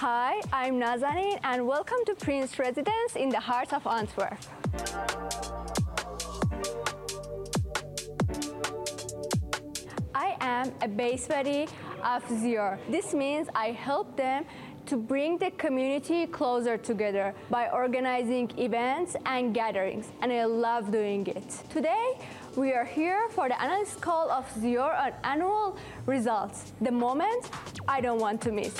Hi, I'm Nazanin, and welcome to Prins Residence in the heart of Antwerp. I am a Base Buddy of Xior. This means I help them to bring the community closer together by organizing events and gatherings, and I love doing it. Today, we are here for the analyst call of Xior's annual results, the moment I don't want to miss.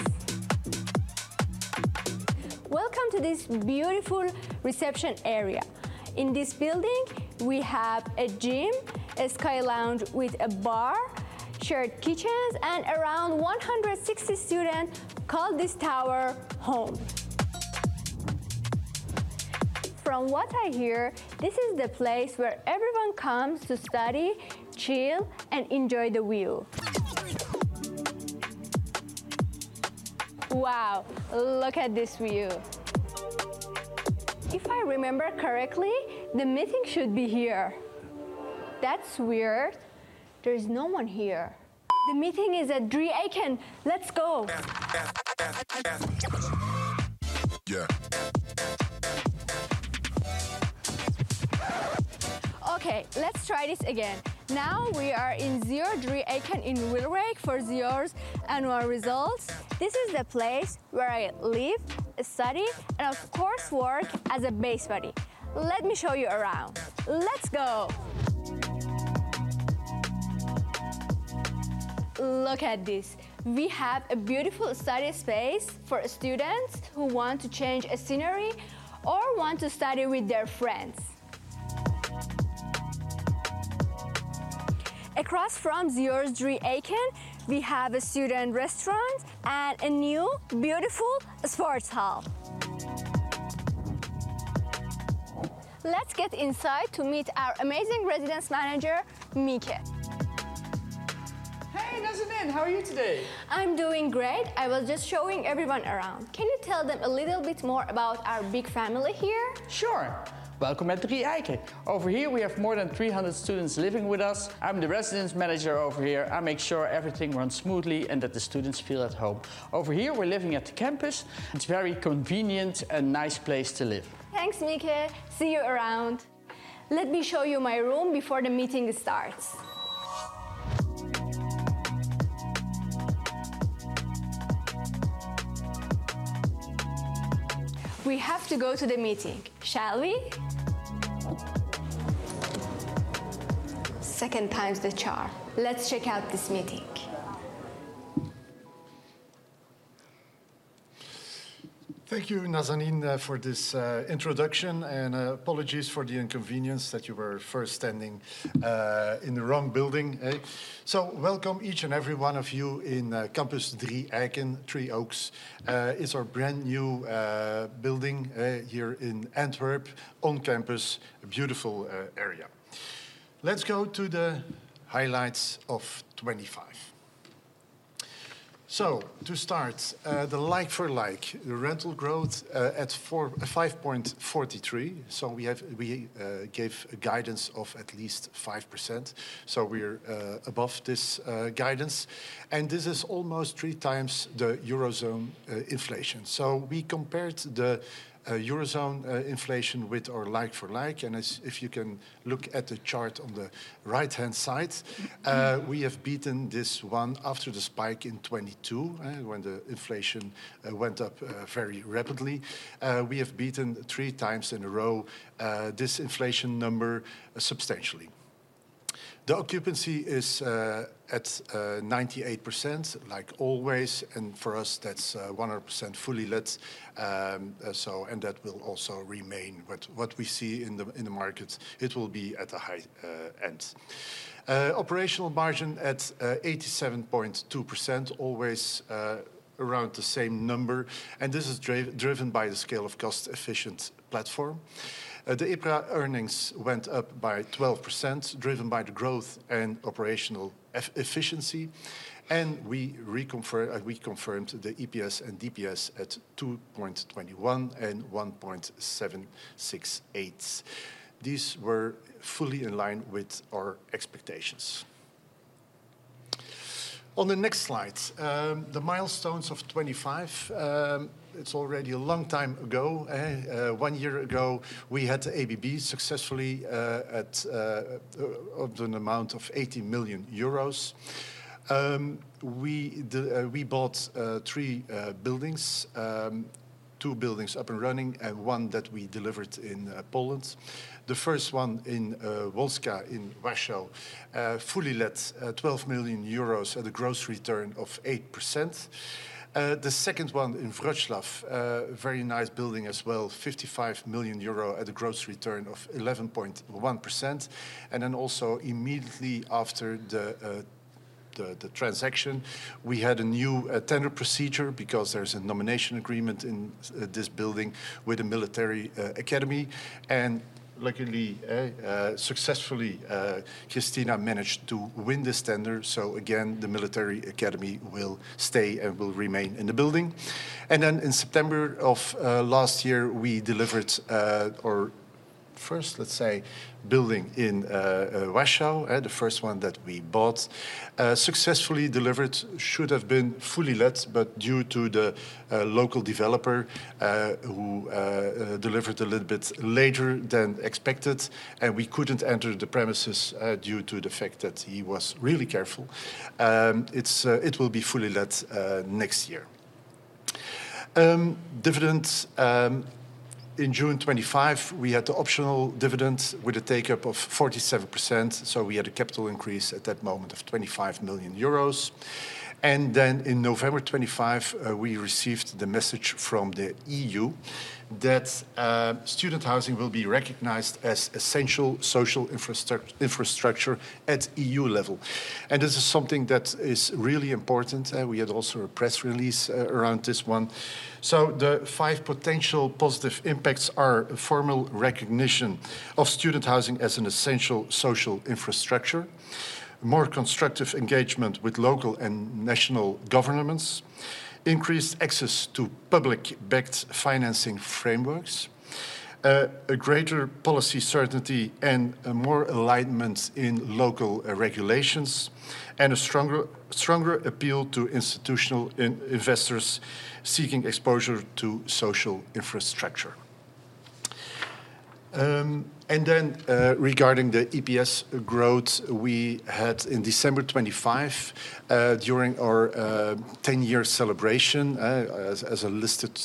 Welcome to this beautiful reception area. In this building, we have a gym, a sky lounge with a bar, shared kitchens, and around 160 students call this tower home. From what I hear, this is the place where everyone comes to study, chill, and enjoy the view. Wow, look at this view. If I remember correctly, the meeting should be here. That's weird. There's no one here. The meeting is at Drie Eiken. Let's go. Okay, let's try this again. Now we are in Xior Drie Eiken in Wilrijk for Xior's annual results. This is the place where I live, study, and, of course, work as a Base Buddy. Let me show you around. Let's go. Look at this. We have a beautiful study space for students who want to change a scenery or want to study with their friends. Across from Xior's Drie Eiken, we have a student restaurant and a new, beautiful sports hall. Let's get inside to meet our amazing Residence Manager, Meijer. Hey, Nazanin. How are you today? I'm doing great. I was just showing everyone around. Can you tell them a little bit more about our big family here? Sure. Welcome at Drie Eiken. Over here, we have more than 300 students living with us. I'm the Residence Manager over here. I make sure everything runs smoothly and that the students feel at home. Over here, we're living at the campus. It's very convenient and nice place to live. Thanks, Meijer. See you around. Let me show you my room before the meeting starts. We have to go to the meeting. Shall we? Second time's the charm. Let's check out this meeting. Thank you, Nazanin, for this introduction. Apologies for the inconvenience that you were first standing in the wrong building. Welcome each and every one of you in Campus Drie Eiken, Three Oaks. It's our brand new building here in Antwerp on campus. A beautiful area. Let's go to the highlights of 2025. To start, the like-for-like, the rental growth at 5.43%. We gave a guidance of at least 5%, so we're above this guidance. This is almost three times the Eurozone inflation. We compared the Eurozone inflation with our like-for-like. If you can look at the chart on the right-hand side, we have beaten this one after the spike in 2022, when the inflation went up very rapidly. We have beaten three times in a row this inflation number substantially. The occupancy is at 98%, like always, and for us, that's 100% fully let. That will also remain. What we see in the markets, it will be at the high end. Operational margin at 87.2%, always around the same number. This is driven by the scale of cost-efficient platform. The EPRA earnings went up by 12%, driven by the growth and operational efficiency, and we confirmed the EPS and DPS at 2.21 and 1.768. These were fully in line with our expectations. On the next slide, the milestones of 2025. It's already a long time ago. One year ago, we had the ABB successfully at an amount of 80 million euros. We bought three buildings, two buildings up and running and one that we delivered in Poland. The first one in Wolska in Warsaw, fully let, 12 million euros at a gross return of 8%. The second one in Wrocław, very nice building as well, 55 million euro at a gross return of 11.1%. Also immediately after the transaction, we had a new tender procedure because there's a nomination agreement in this building with the military academy. Luckily, successfully, Kristina managed to win this tender. Again, the military academy will stay and will remain in the building. In September of last year, we delivered our first, let's say, building in Warsaw, the first one that we bought, successfully delivered, should have been fully let, but due to the local developer who delivered a little bit later than expected, and we couldn't enter the premises due to the fact that he was really careful. It will be fully let next year. Dividends. In June 2025, we had the optional dividends with a take-up of 47%, so we had a capital increase at that moment of 25 million euros. On November 2025, we received the message from the E.U. that student housing will be recognized as essential social infrastructure at E.U. level. This is something that is really important. We had also a press release around this one. The five potential positive impacts are a formal recognition of student housing as an essential social infrastructure, more constructive engagement with local and national governments, increased access to public-backed financing frameworks, a greater policy certainty, and more alignment in local regulations, and a stronger appeal to institutional investors seeking exposure to social infrastructure. Regarding the EPS growth we had in December 2025, during our 10-year celebration as a listed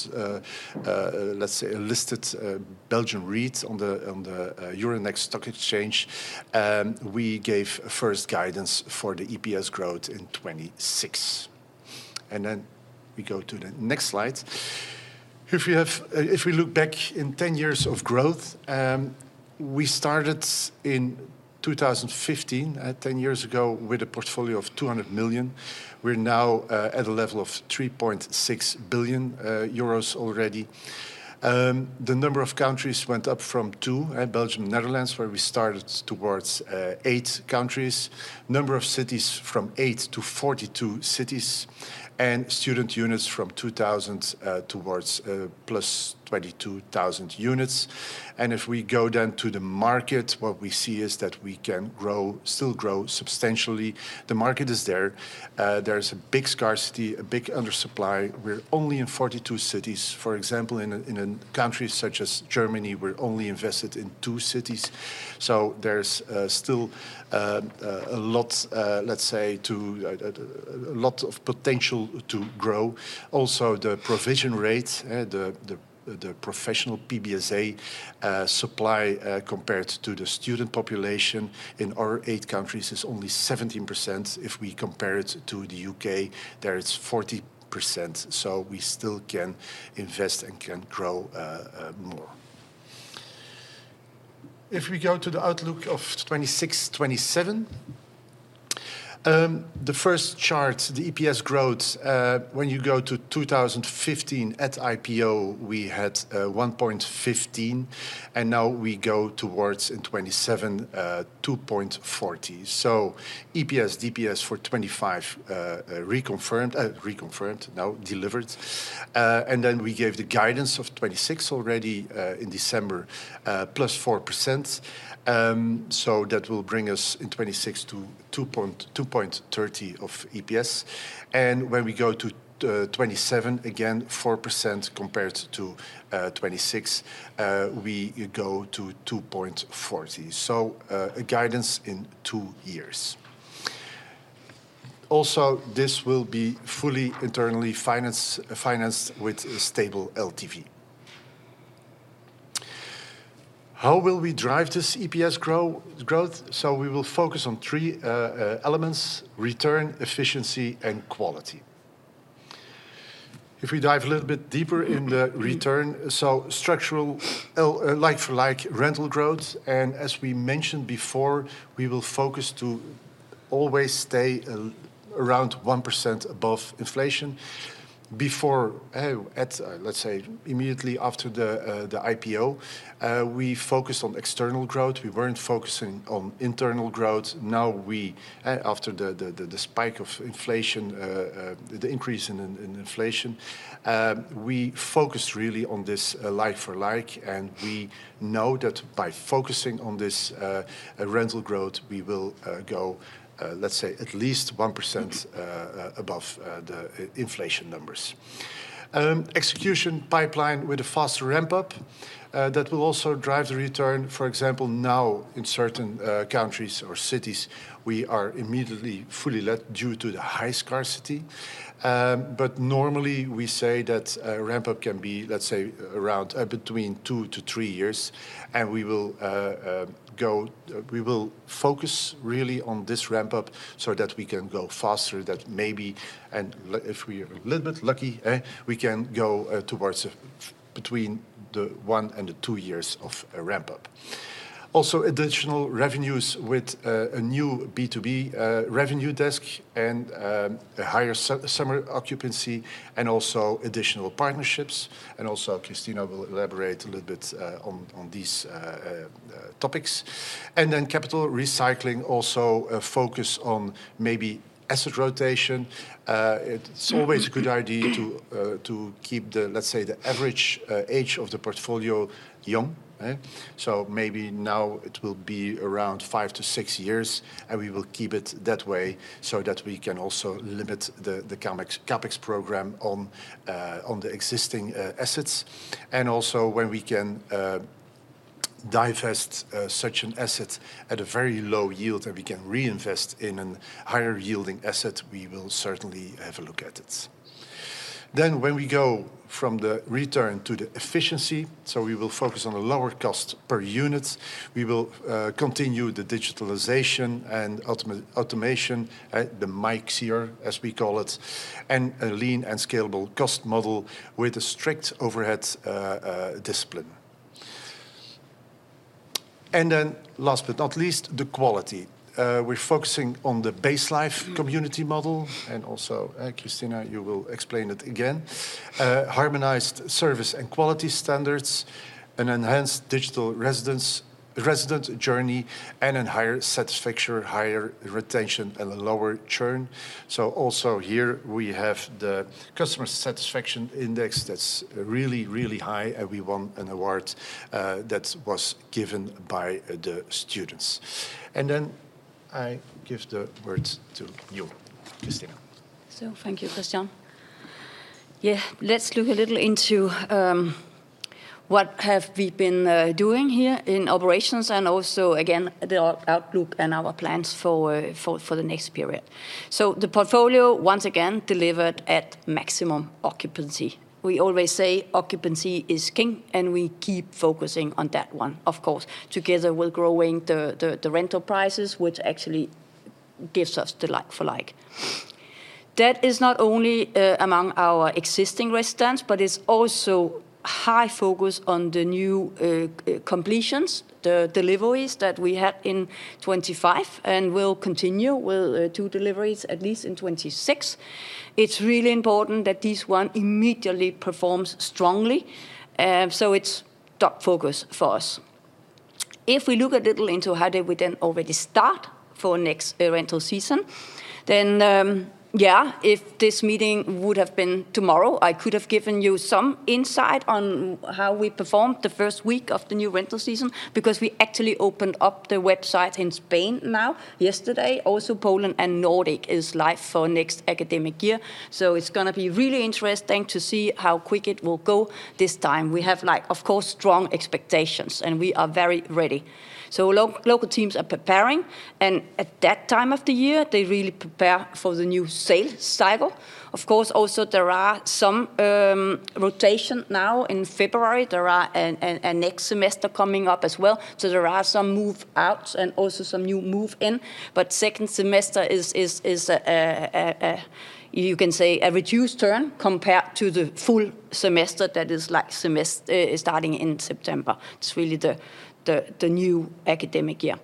Belgian REIT on the Euronext stock exchange, we gave first guidance for the EPS growth in 2026. We go to the next slide. If we look back in 10 years of growth, we started in 2015, 10 years ago, with a portfolio of 200 million. We're now at a level of 3.6 billion euros already. The number of countries went up from two, Belgium, Netherlands, where we started, towards eight countries, number of cities from eight to 42 cities, and student units from 2,000 towards +22,000 units. If we go then to the market, what we see is that we can still grow substantially. The market is there. There's a big scarcity, a big undersupply. We're only in 42 cities, for example, in a country such as Germany, we're only invested in two cities. So there's still a lot of potential to grow. Also, the provision rate, the professional PBSA supply compared to the student population in our eight countries is only 17%. If we compare it to the U.K., there it's 40%, so we still can invest and can grow more. If we go to the outlook of 2026, 2027. The first chart, the EPS growth, when you go to 2015 at IPO, we had 1.15, and now we go towards, in 2027, 2.40. So EPS, DPS for 2025, reconfirmed. Reconfirmed, now delivered. And then we gave the guidance of 2026 already in December, +4%, so that will bring us in 2026 to 2.30 of EPS. And when we go to 2027, again, 4% compared to 2026, we go to 2.40. A guidance in two years. Also, this will be fully internally financed with a stable LTV. How will we drive this EPS growth? We will focus on three elements, return, efficiency, and quality. If we dive a little bit deeper in the return, structural like-for-like rental growth, and as we mentioned before, we will focus to always stay around 1% above inflation. Before, let's say immediately after the IPO, we focused on external growth. We weren't focusing on internal growth. Now, after the spike of inflation, the increase in inflation, we focus really on this like-for-like. We know that by focusing on this rental growth, we will go at least 1% above the inflation numbers. Execution pipeline with a faster ramp-up that will also drive the return. For example, now in certain countries or cities, we are immediately fully let due to the high scarcity. Normally, we say that a ramp-up can be, let's say, around between two to three years. We will focus really on this ramp-up so that we can go faster, that maybe, and if we are a little bit lucky, we can go towards between the one and the two years of ramp-up. Also, additional revenues with a new B2B revenue desk and a higher summer occupancy and also additional partnerships, and also Kristina will elaborate a little bit on these topics. Capital recycling, also a focus on maybe asset rotation. It's always a good idea to keep, let's say, the average age of the portfolio young. Maybe now it will be around five to six years, and we will keep it that way so that we can also limit the CapEx program on the existing assets. When we can divest such an asset at a very low yield, and we can reinvest in a higher-yielding asset, we will certainly have a look at it. When we go from the return to the efficiency, so we will focus on a lower cost per unit. We will continue the digitalization and automation, the MyXior, as we call it, and a lean and scalable cost model with a strict overhead discipline. Last but not least, the quality, we're focusing on the BaseLife community model, and also, Kristina, you will explain it again, harmonized service and quality standards, an enhanced digital resident journey, and in higher satisfaction, higher retention, and lower churn. Here we have the customer satisfaction index that's really high, and we won an award that was given by the students. I give the words to you, Kristina. Thank you, Christian. Yeah. Let's look a little into what have we been doing here in operations and also, again, the outlook and our plans for the next period. The portfolio, once again, delivered at maximum occupancy. We always say occupancy is king, and we keep focusing on that one, of course, together with growing the rental prices, which actually gives us the like-for-like. That is not only among our existing residents, but it's also high focus on the new completions, the deliveries that we had in 2025 and will continue with two deliveries, at least in 2026. It's really important that this one immediately performs strongly, so it's top focus for us. If we look a little into how did we then already start for next rental season, then, yeah, if this meeting would have been tomorrow, I could have given you some insight on how we performed the first week of the new rental season, because we actually opened up the website in Spain now yesterday. Also, Poland and Nordic is live for next academic year. It's going to be really interesting to see how quick it will go this time. We have, of course, strong expectations, and we are very ready. Local teams are preparing, and at that time of the year, they really prepare for the new sales cycle. Of course, also there are some rotation now in February. There are a next semester coming up as well. There are some move outs and also some new move in. Second semester is, you can say, a reduced term compared to the full semester that is starting in September. It's really the new academic year.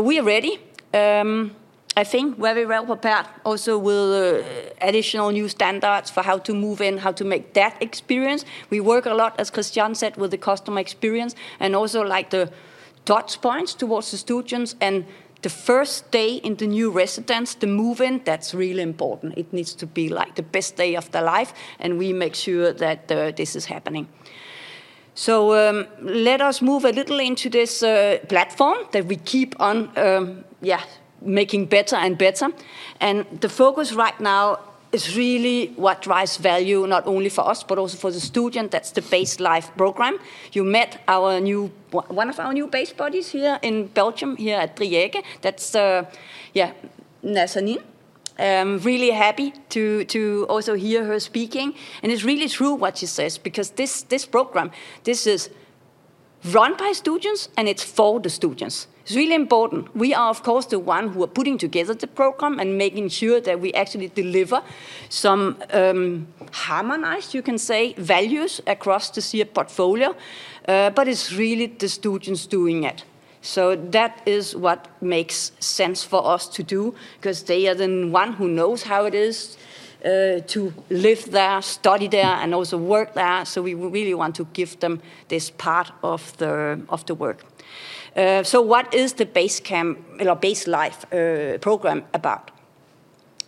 We are ready, I think, very well prepared also with additional new standards for how to move in, how to make that experience. We work a lot, as Christian said, with the customer experience and also the touchpoints towards the students and the first day in the new residence, the move-in, that's really important. It needs to be the best day of their life, and we make sure that this is happening. Let us move a little into this platform that we keep on, yeah, making better and better. The focus right now is really what drives value, not only for us, but also for the student. That's the BaseLife program. You met one of our new Base Buddies here in Belgium, here at Drie Eiken. That's, yeah, Nazanin. Really happy to also hear her speaking. It's really true what she says, because this program, this is run by students and it's for the students. It's really important. We are, of course, the one who are putting together the program and making sure that we actually deliver some harmonized, you can say, values across the Xior portfolio. It's really the students doing it. That is what makes sense for us to do, because they are the one who knows how it is to live there, study there, and also work there. We really want to give them this part of the work. What is the BaseLife program about?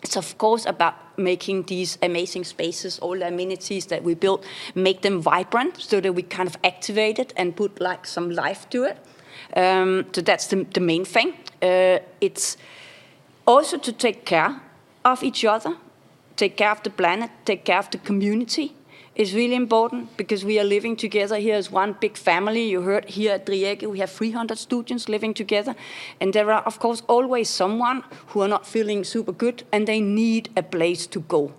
It's, of course, about making these amazing spaces, all the amenities that we built, make them vibrant so that we kind of activate it and put some life to it. That's the main thing. It's also to take care of each other, take care of the planet, take care of the community is really important because we are living together here as one big family. You heard here at Drie Eiken, we have 300 students living together, and there are, of course, always someone who are not feeling super good, and they need a place to go,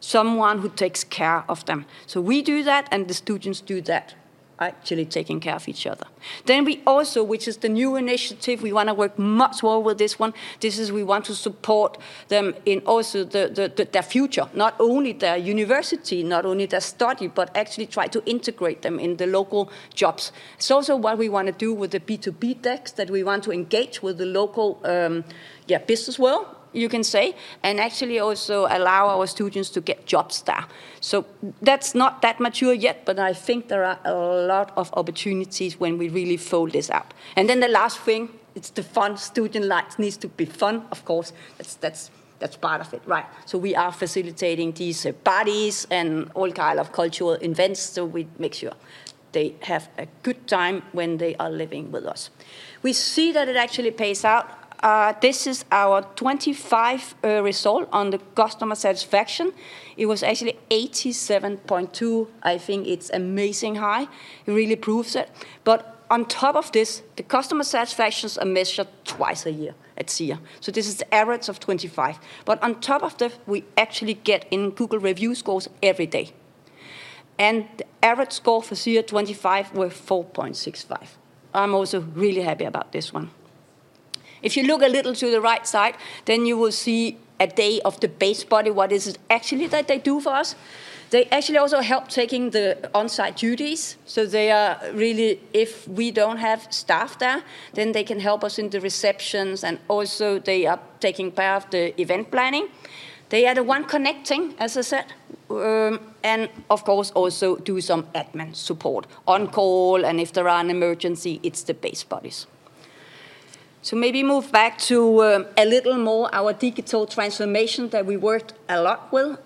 someone who takes care of them. We do that, and the students do that. Actually taking care of each other. We also, which is the new initiative, we want to work much more with this one. We want to support them in also their future, not only their university, not only their study, but actually try to integrate them in the local jobs. It's also what we want to do with the B2B decks, that we want to engage with the local business world, you can say, and actually also allow our students to get jobs there. That's not that mature yet, but I think there are a lot of opportunities when we really follow this up. The last thing, it's the fun. Student life needs to be fun, of course. That's part of it, right? We are facilitating these parties and all kind of cultural events so we make sure they have a good time when they are living with us. We see that it actually pays out. This is our 2025 result on the customer satisfaction. It was actually 87.2. I think it's amazing high. It really proves it. On top of this, the customer satisfactions are measured twice a year at Xior. This is the average of 2025. On top of that, we actually get in Google review scores every day. The average score for Xior 2025 were 4.65. I'm also really happy about this one. If you look a little to the right side, then you will see a day of the Base Buddy. What is it actually that they do for us? They actually also help taking the on-site duties. They are really if we don't have staff there. They can help us in the receptions. Also they are taking part of the event planning. They are the one connecting, as I said. Of course also do some admin support. On call and if there are an emergency, it's the Base Buddies. Maybe move back to a little more our digital transformation that we worked a lot with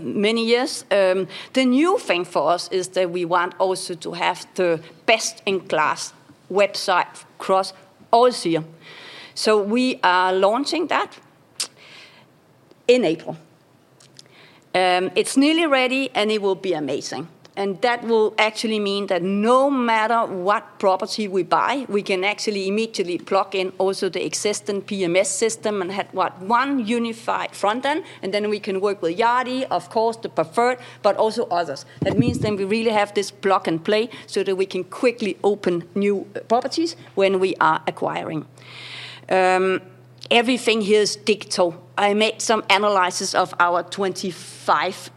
many years. The new thing for us is that we want also to have the best-in-class website across all Xior. We are launching that in April. It's nearly ready, and it will be amazing. That will actually mean that no matter what property we buy, we can actually immediately plug in also the existing PMS system and have what one unified front then, and then we can work with Yardi, of course, the preferred, but also others. That means then we really have this plug-and-play so that we can quickly open new properties when we are acquiring. Everything here is digital. I made some analysis of our 2025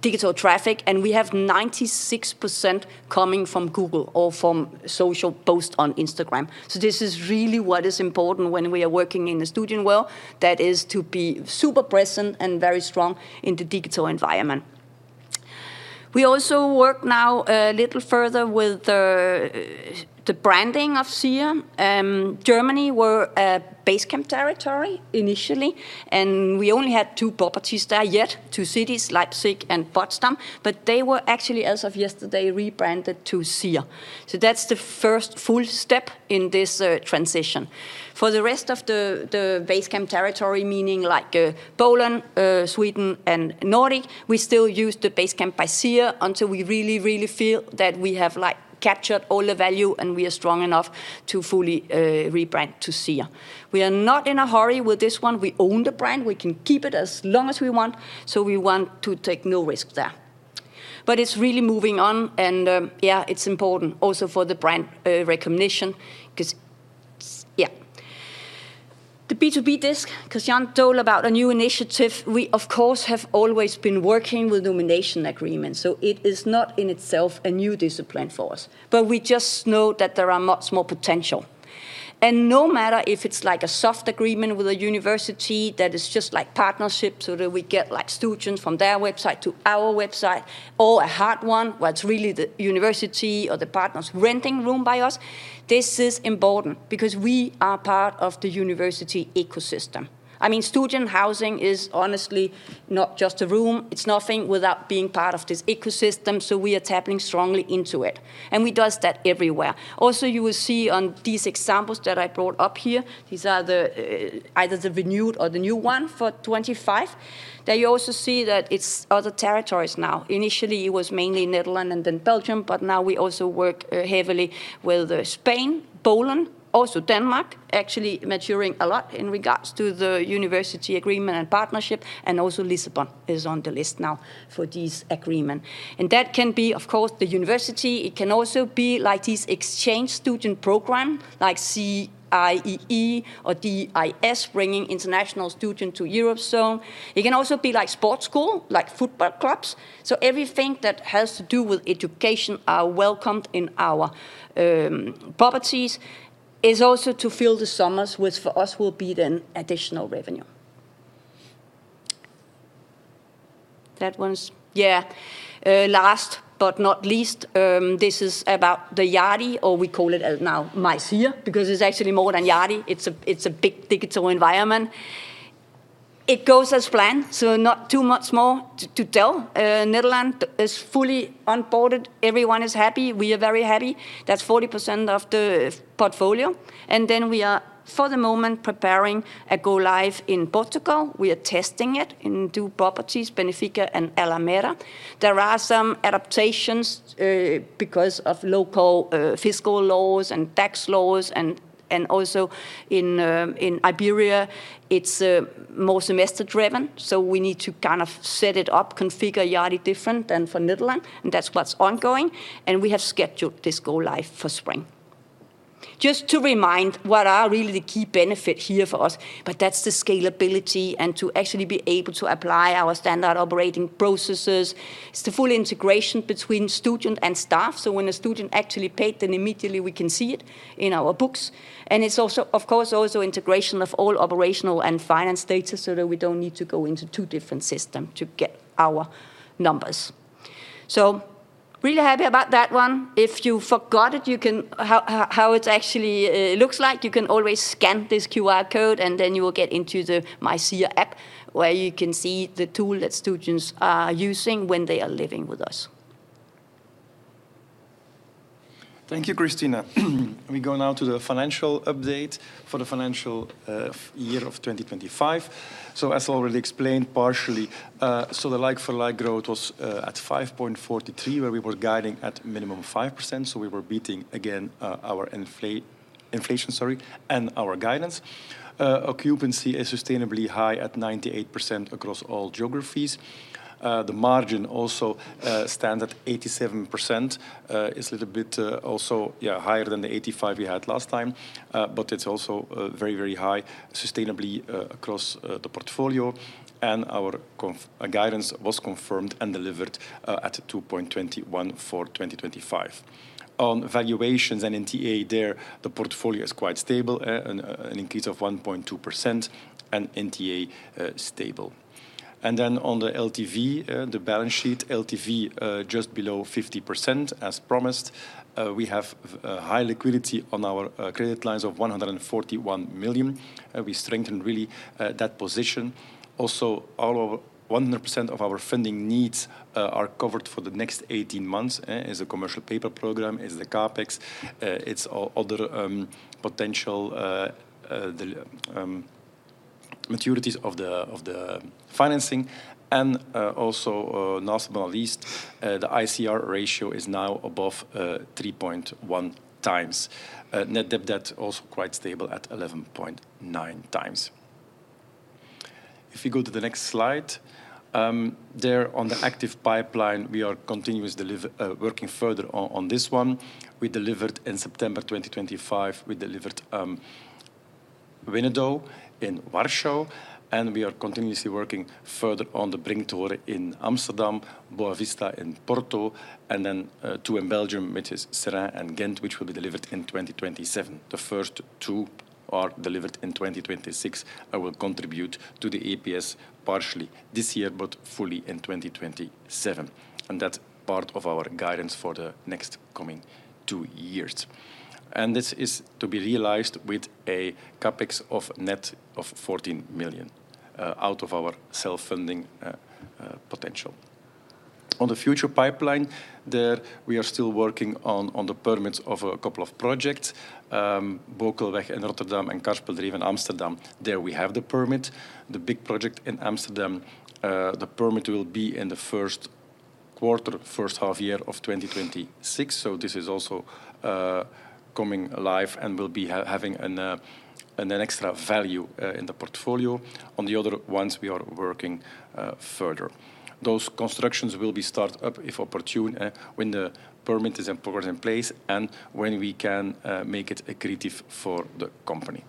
digital traffic, and we have 96% coming from Google or from social post on Instagram. This is really what is important when we are working in the student world. That is to be super present and very strong in the digital environment. We also work now a little further with the branding of Xior. Germany were Basecamp territory initially, and we only had two properties there yet, two cities, Leipzig and Potsdam, but they were actually as of yesterday rebranded to Xior. That's the first full step in this transition. For the rest of the Basecamp territory, meaning like Poland, Sweden, and Nordic, we still use the Basecamp by Xior until we really feel that we have captured all the value and we are strong enough to fully rebrand to Xior. We are not in a hurry with this one. We own the brand. We can keep it as long as we want. We want to take no risk there. It's really moving on and, yeah, it's important also for the brand recognition. The B2B desk, because Christian told about a new initiative, we of course have always been working with nomination agreements, so it is not in itself a new discipline for us. We just know that there are much more potential. No matter if it's like a soft agreement with a university that is just like partnership so that we get students from their website to our website or a hard one, where it's really the university or the partners renting room by us, this is important, because we are part of the university ecosystem. Student housing is honestly not just a room. It's nothing without being part of this ecosystem, so we are tapping strongly into it. We does that everywhere. Also, you will see on these examples that I brought up here, these are either the renewed or the new one for 2025, that you also see that it's other territories now. Initially it was mainly Netherlands and then Belgium, but now we also work heavily with Spain, Poland, also Denmark, actually maturing a lot in regards to the university agreement and partnership, and also Lisbon is on the list now for this agreement. That can be, of course, the university. It can also be like this exchange student program, like CIEE or DIS, bringing international student to Europe. It can also be like sports school, like football clubs. Everything that has to do with education are welcomed in our properties. It's also to fill the summers, which for us will be then additional revenue. That one's, yeah. Last but not least, this is about the Yardi, or we call it now MyXior, because it's actually more than Yardi. It's a big digital environment. It goes as planned, so not too much more to tell. Netherlands is fully onboarded. Everyone is happy. We are very happy. That's 40% of the portfolio. We are for the moment preparing a go live in Portugal. We are testing it in two properties, Benfica and Alameda. There are some adaptations because of local fiscal laws and tax laws and also in Iberia, it's more semester-driven, so we need to kind of set it up, configure Yardi different than for Netherlands, and that's what's ongoing. We have scheduled this go live for spring. Just to remind what are really the key benefits here for us, that's the scalability and to actually be able to apply our standard operating processes. It's the full integration between student and staff. When a student actually paid, then immediately we can see it in our books. It's also, of course, integration of all operational and finance data so that we don't need to go into two different systems to get our numbers, really happy about that one. If you forgot how it actually looks like, you can always scan this QR code, and then you will get into the MyXior app, where you can see the tool that students are using when they are living with us. Thank you, Kristina. We go now to the financial update for the financial year of 2025. As already explained, partially, so the like-for-like growth was at 5.43%, where we were guiding at minimum 5%. We were beating again our guidance. Occupancy is sustainably high at 98% across all geographies. The margin also stand at 87%, is a little bit also, yeah, higher than the 85% we had last time. It's also very high sustainably across the portfolio. Our guidance was confirmed and delivered at 2.21 for 2025. On valuations and NTA there, the portfolio is quite stable, an increase of 1.2% and NTA stable. On the LTV, the balance sheet LTV just below 50% as promised. We have high liquidity on our credit lines of 141 million. We strengthen really that position. Also, all of 100% of our funding needs are covered for the next 18 months as a commercial paper program, as the CapEx. It is other potential maturities of the financing and also, last but not least, the ICR ratio is now above 3.1x. Net debt also quite stable at 11.9x. If we go to the next slide. There on the active pipeline, we are continuous working further on this one. In September 2025, we delivered Wenedów in Warsaw, and we are continuously working further on the Brinktoren in Amsterdam, Boavista in Porto, and then two in Belgium, which is Seraing and Ghent, which will be delivered in 2027. The first two are delivered in 2026, will contribute to the EPS partially this year, but fully in 2027. That's part of our guidance for the next coming two years. This is to be realized with a CapEx of net of 14 million, out of our self-funding potential. On the future pipeline there, we are still working on the permits of a couple of projects, Bokelweg in Rotterdam and Karspeldreef in Amsterdam. There we have the permit. The big project in Amsterdam, the permit will be in the first quarter, first half year of 2026. This is also coming live and will be having an extra value in the portfolio. On the other ones, we are working further. Those constructions will be start up if opportune, when the permit is in place, and when we can make it accretive for the company.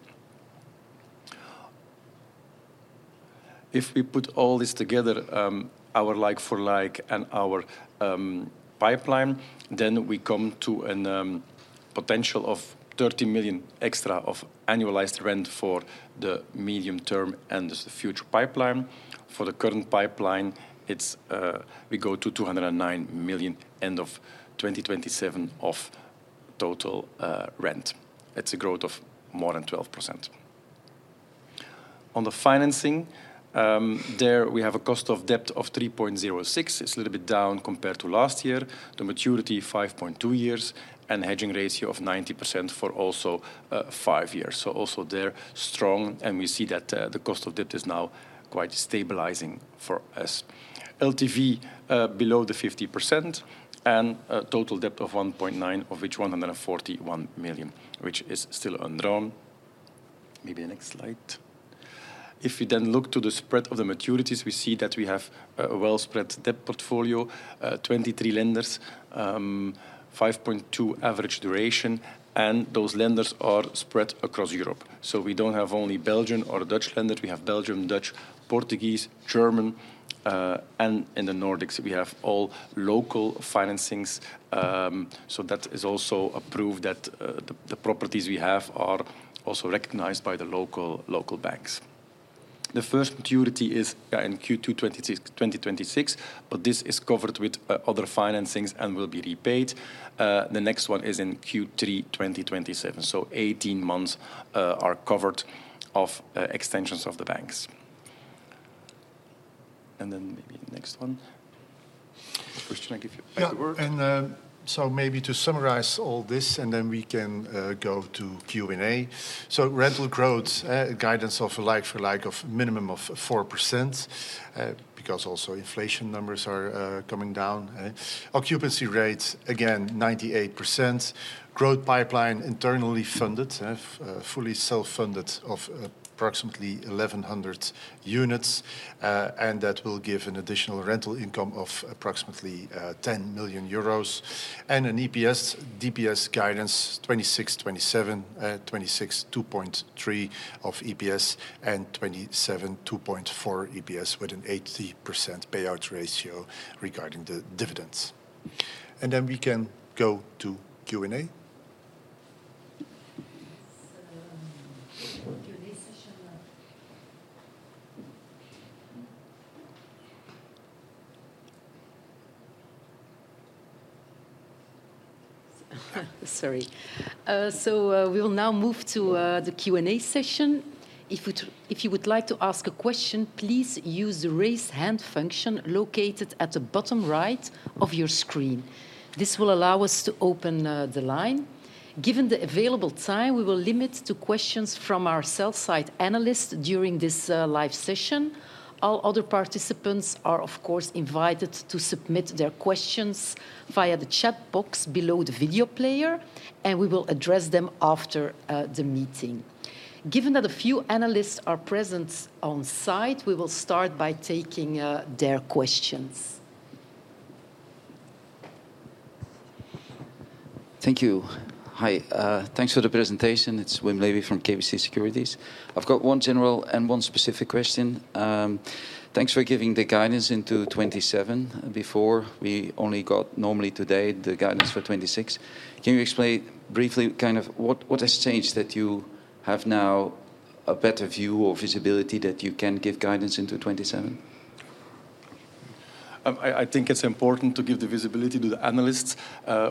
If we put all this together, our like-for-like and our pipeline, then we come to an potential of 30 million extra of annualized rent for the medium term and the future pipeline. For the current pipeline, we go to 209 million end of 2027 of total rent. It's a growth of more than 12%. On the financing, there we have a cost of debt of 3.06%. It's a little bit down compared to last year. The maturity 5.2 years and hedging ratio of 90% for also five years. Also there strong, and we see that the cost of debt is now quite stabilizing for us. LTV below the 50% and total debt of 1.9, of which 141 million, which is still undrawn. Maybe the next slide. If we then look to the spread of the maturities, we see that we have a well-spread debt portfolio, 23 lenders, 5.2 average duration, and those lenders are spread across Europe. We don't have only Belgian or Dutch lenders. We have Belgian, Dutch, Portuguese, German, and in the Nordics, we have all local financings. That is also a proof that the properties we have are also recognized by the local banks. The first maturity is in Q2 2026, but this is covered with other financings and will be repaid. The next one is in Q3 2027, so 18 months are covered of extensions of the banks. Maybe the next one. Christian, I give you back the word. Yeah. Maybe to summarize all this, and then we can go to Q&A. Rental growth, guidance of a like-for-like of minimum of 4%, because also inflation numbers are coming down. Occupancy rates, again, 98%. Growth pipeline internally funded, fully self-funded of approximately 1,100 units. That will give an additional rental income of approximately 10 million euros. An EPS, DPS guidance 2026, 2027. 2026, 2.3 of EPS and 2027, 2.4 EPS with an 80% payout ratio regarding the dividends. We can go to Q&A. We will now move to the Q&A session. If you would like to ask a question, please use the Raise Hand function located at the bottom right of your screen. This will allow us to open the line. Given the available time, we will limit to questions from our sell-side analysts during this live session. All other participants are, of course, invited to submit their questions via the chat box below the video player, and we will address them after the meeting. Given that a few analysts are present on-site, we will start by taking their questions. Thank you. Hi. Thanks for the presentation. It's Wim Lewi from KBC Securities. I've got one general and one specific question. Thanks for giving the guidance into 2027. Before, we only got normally today the guidance for 2026. Can you explain briefly what has changed that you have now a better view or visibility that you can give guidance into 2027? I think it's important to give the visibility to the analysts.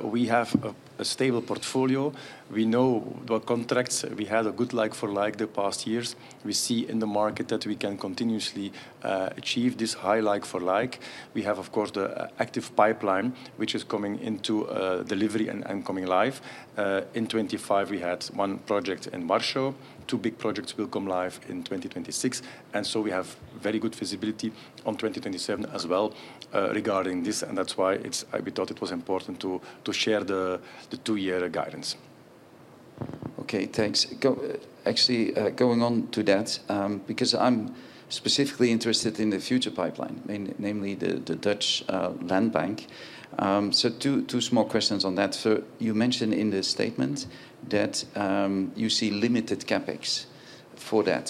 We have a stable portfolio. We know the contracts. We had a good like-for-like the past years. We see in the market that we can continuously achieve this high like-for-like. We have, of course, the active pipeline, which is coming into delivery and coming live. In 2025, we had one project in Warsaw. Two big projects will come live in 2026. We have very good visibility on 2027 as well, regarding this, and that's why we thought it was important to share the two-year guidance. Okay, thanks. Actually, going on to that, because I'm specifically interested in the future pipeline, namely the Dutch land bank. Two small questions on that. You mentioned in the statement that you see limited CapEx for that.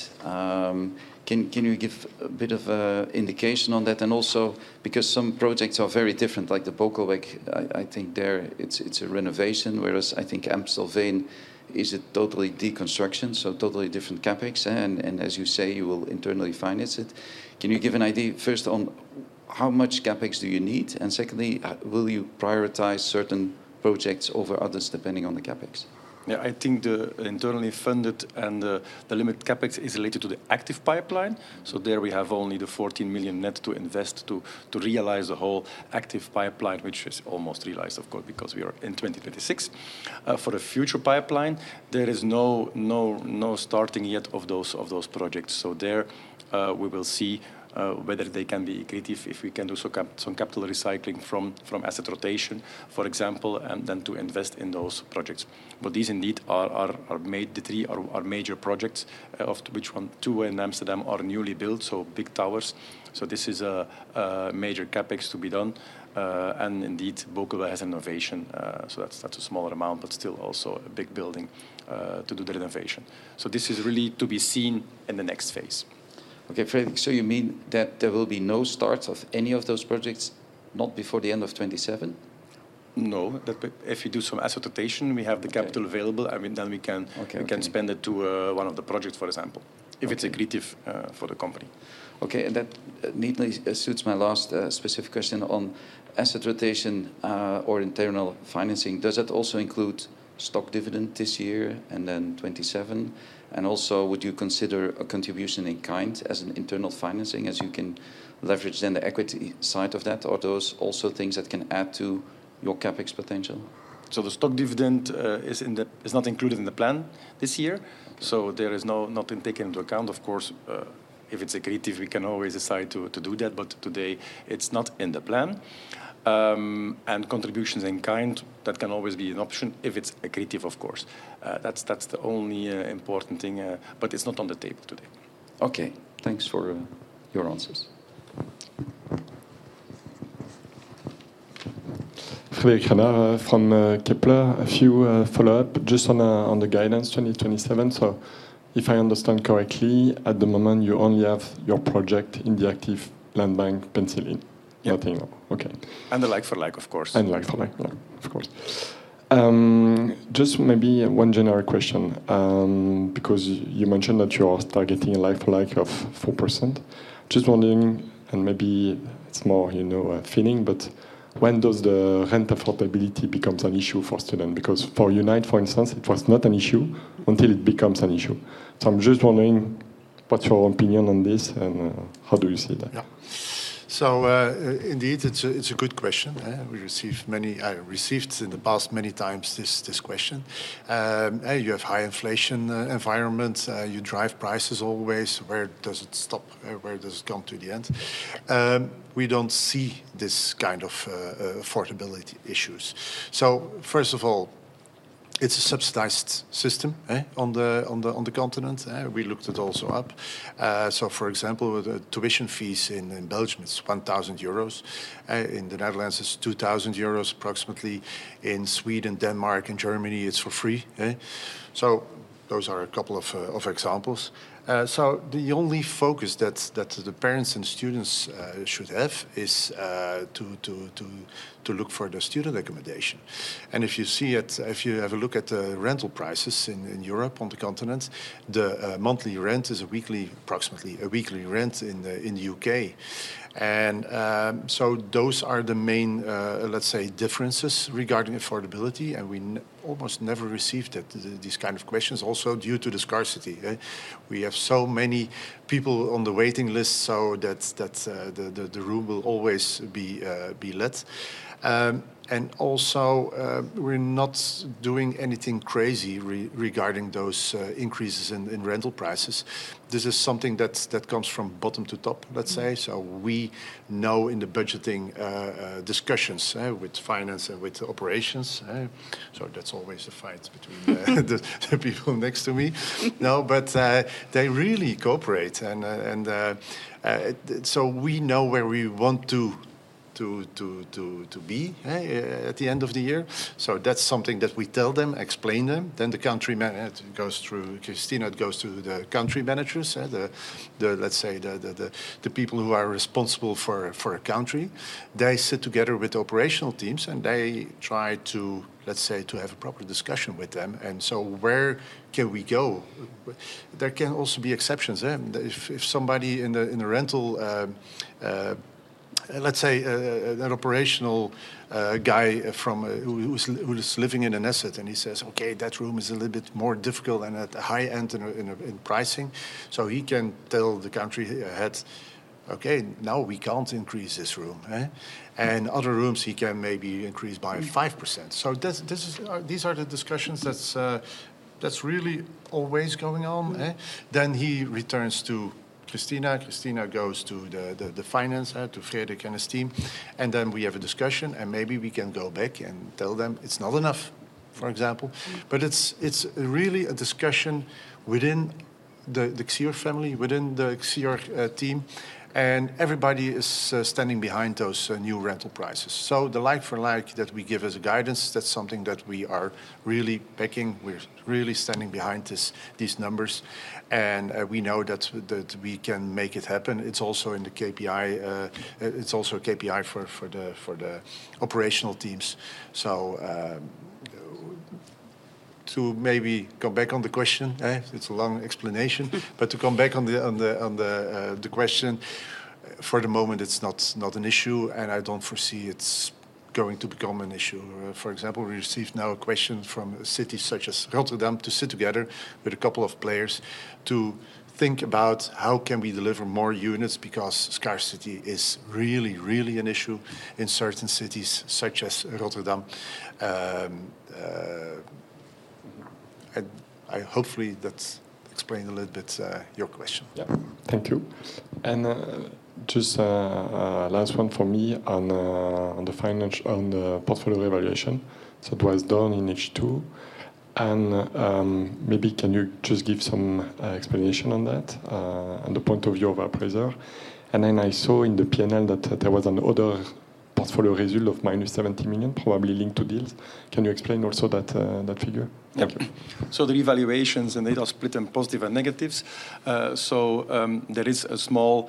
Can you give a bit of indication on that? Also because some projects are very different, like the Bokelweg, I think there, it's a renovation, whereas I think Amstelveen is a totally deconstruction, so totally different CapEx, and as you say, you will internally finance it, can you give an idea first on how much CapEx do you need, and secondly, will you prioritize certain projects over others depending on the CapEx? Yeah, I think the internally funded and the limited CapEx is related to the active pipeline. There we have only the 14 million net to invest to realize the whole active pipeline, which is almost realized, of course, because we are in 2026. For a future pipeline, there is no starting yet of those projects. There, we will see whether they can be accretive, if we can do some capital recycling from asset rotation, for example, and then to invest in those projects. These indeed are the three major projects, of which two in Amsterdam are newly built, so big towers. This is a major CapEx to be done. Indeed, Bokelweg has renovation, so that's a smaller amount, but still also a big building to do the renovation. This is really to be seen in the next phase. Okay. You mean that there will be no start of any of those projects, not before the end of 2027? No. If you do some asset rotation, we have the capital available. We can spend it to one of the projects, for example if it's accretive for the company. Okay, that neatly suits my last specific question on asset rotation or internal financing. Does that also include stock dividend this year and then 2027? Would you consider a contribution in kind as an internal financing, as you can leverage then the equity side of that, or are those also things that can add to your CapEx potential? The stock dividend is not included in the plan this year. There is nothing taken into account. Of course, if it's accretive, we can always decide to do that, but today it's not in the plan. Contributions in kind, that can always be an option if it's accretive, of course. That's the only important thing, but it's not on the table today. Okay. Thanks for your answers. Frédéric Renard from Kepler Cheuvreux. A few follow-ups just on the guidance 2020-2027. If I understand correctly, at the moment, you only have your project in the active land bank penciled in. Yeah. The like-for-like, of course. Like-for-like, of course. Just maybe one generic question, because you mentioned that you are targeting a like-for-like of 4%. Just wondering, and maybe it's more a feeling, but when does the rent affordability becomes an issue for student? Because for Unite, for instance, it was not an issue until it becomes an issue. I'm just wondering, what's your opinion on this and how do you see that? Yeah. Indeed, it's a good question. I received in the past many times this question. You have high inflation environment, you drive prices always. Where does it stop? Where does it come to the end? We don't see this kind of affordability issues. First of all, it's a subsidized system on the continent. We looked it also up. For example, with the tuition fees in Belgium, it's 1,000 euros. In the Netherlands, it's 2,000 euros, approximately. In Sweden, Denmark, and Germany, it's for free. Those are a couple of examples. The only focus that the parents and students should have is to look for the student accommodation. And if you have a look at the rental prices in Europe, on the continent, the monthly rent is approximately a weekly rent in the U.K. And so those are the main, let's say, differences regarding affordability, and we almost never received these kind of questions also due to the scarcity. We have so many people on the waiting list, so the room will always be let. And also, we're not doing anything crazy regarding those increases in rental prices. This is something that comes from bottom to top, let's say. So we know in the budgeting discussions with finance and with operations. Sorry, that's always a fight between the people next to me. They really cooperate, and so we know where we want to be at the end of the year. That's something that we tell them, explain them. It goes through Kristina, it goes to the country managers, let's say the people who are responsible for a country. They sit together with the operational teams, and they try, let's say, to have a proper discussion with them. Where can we go? There can also be exceptions. If somebody in the rental, let's say an operational guy who is living in an asset and he says, "Okay, that room is a little bit more difficult and at a high end in pricing," he can tell the country head, "Okay, now we can't increase this room." Other rooms he can maybe increase by 5%. These are the discussions that's really always going on. He returns to Kristina. Kristina goes to the financer, to Frederik and his team, and then we have a discussion, and maybe we can go back and tell them it's not enough, for example. It's really a discussion within the Xior family, within the Xior team, and everybody is standing behind those new rental prices. The like-for-like that we give as a guidance, that's something that we are really backing. We're really standing behind these numbers, and we know that we can make it happen. It's also a KPI for the operational teams. To maybe go back on the question, it's a long explanation. To come back on the question, for the moment, it's not an issue, and I don't foresee it's going to become an issue. For example, we received now a question from cities such as Rotterdam to sit together with a couple of players to think about how can we deliver more units, because scarcity is really, really an issue in certain cities such as Rotterdam. Hopefully, that's explained a little bit your question. Yeah. Thank you. Just last one for me on the portfolio revaluation. It was done in H2, and maybe can you just give some explanation on that, on the point of view of appraiser? I saw in the P&L that there was another portfolio result of -70 million, probably linked to deals. Can you explain also that figure? Thank you. The revaluations, and they are split in positive and negatives. There is a small,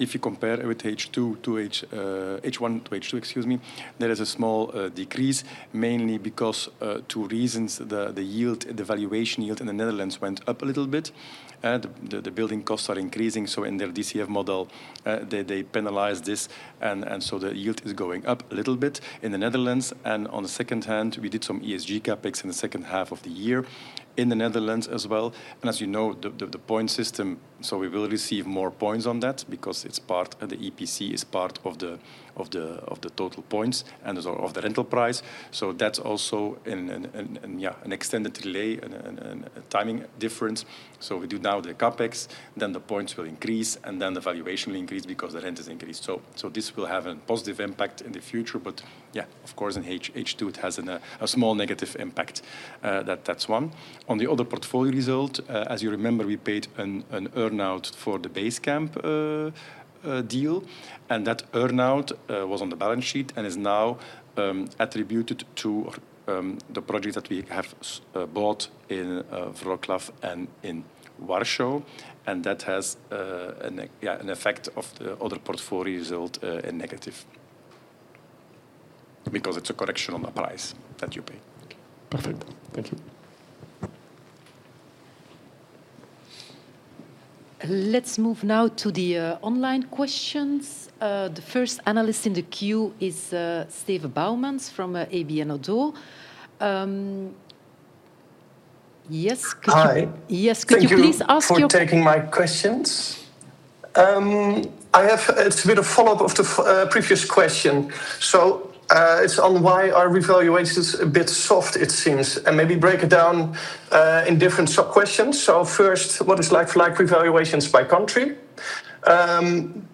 if you compare with H1-H2, excuse me, there is a small decrease, mainly because two reasons. The valuation yield in the Netherlands went up a little bit. The building costs are increasing. In their DCF model, they penalize this, and so the yield is going up a little bit in the Netherlands. On the second hand, we did some ESG CapEx in the second half of the year in the Netherlands as well. As you know, the point system, so we will receive more points on that because the EPC is part of the total points and of the rental price. That's also an extended delay and a timing difference. We do now the CapEx, then the points will increase, and then the valuation will increase because the rent is increased. This will have a positive impact in the future. Yeah, of course, in H2, it has a small negative impact. That's one. On the other portfolio result, as you remember, we paid an earn-out for the Basecamp deal, and that earn-out was on the balance sheet and is now attributed to the projects that we have bought in Wroclaw and in Warsaw. That has an effect of the other portfolio result, a negative, because it's a correction on the price that you pay. Okay. Perfect. Thank you. Let's move now to the online questions. The first Analyst in the queue is Steven Boumans from ABN ODDO. Hi. Yes, could you please ask your questions. Thank you for taking my questions. It's a bit of follow-up of the previous question. It's on why our revaluation is a bit soft, it seems, and maybe break it down in different sub-questions. First, what is like-for-like revaluations by country?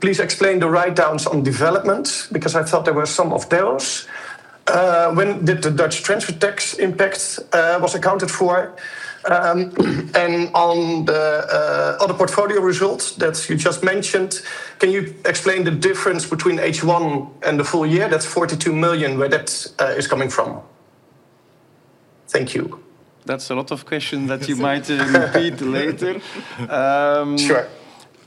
Please explain the write-downs on developments, because I thought there were some of those. When did the Dutch transfer tax impact was accounted for? On the other portfolio results that you just mentioned, can you explain the difference between H1 and the full year? That's 42 million, where that is coming from. Thank you. That's a lot of questions that you might repeat later. Sure.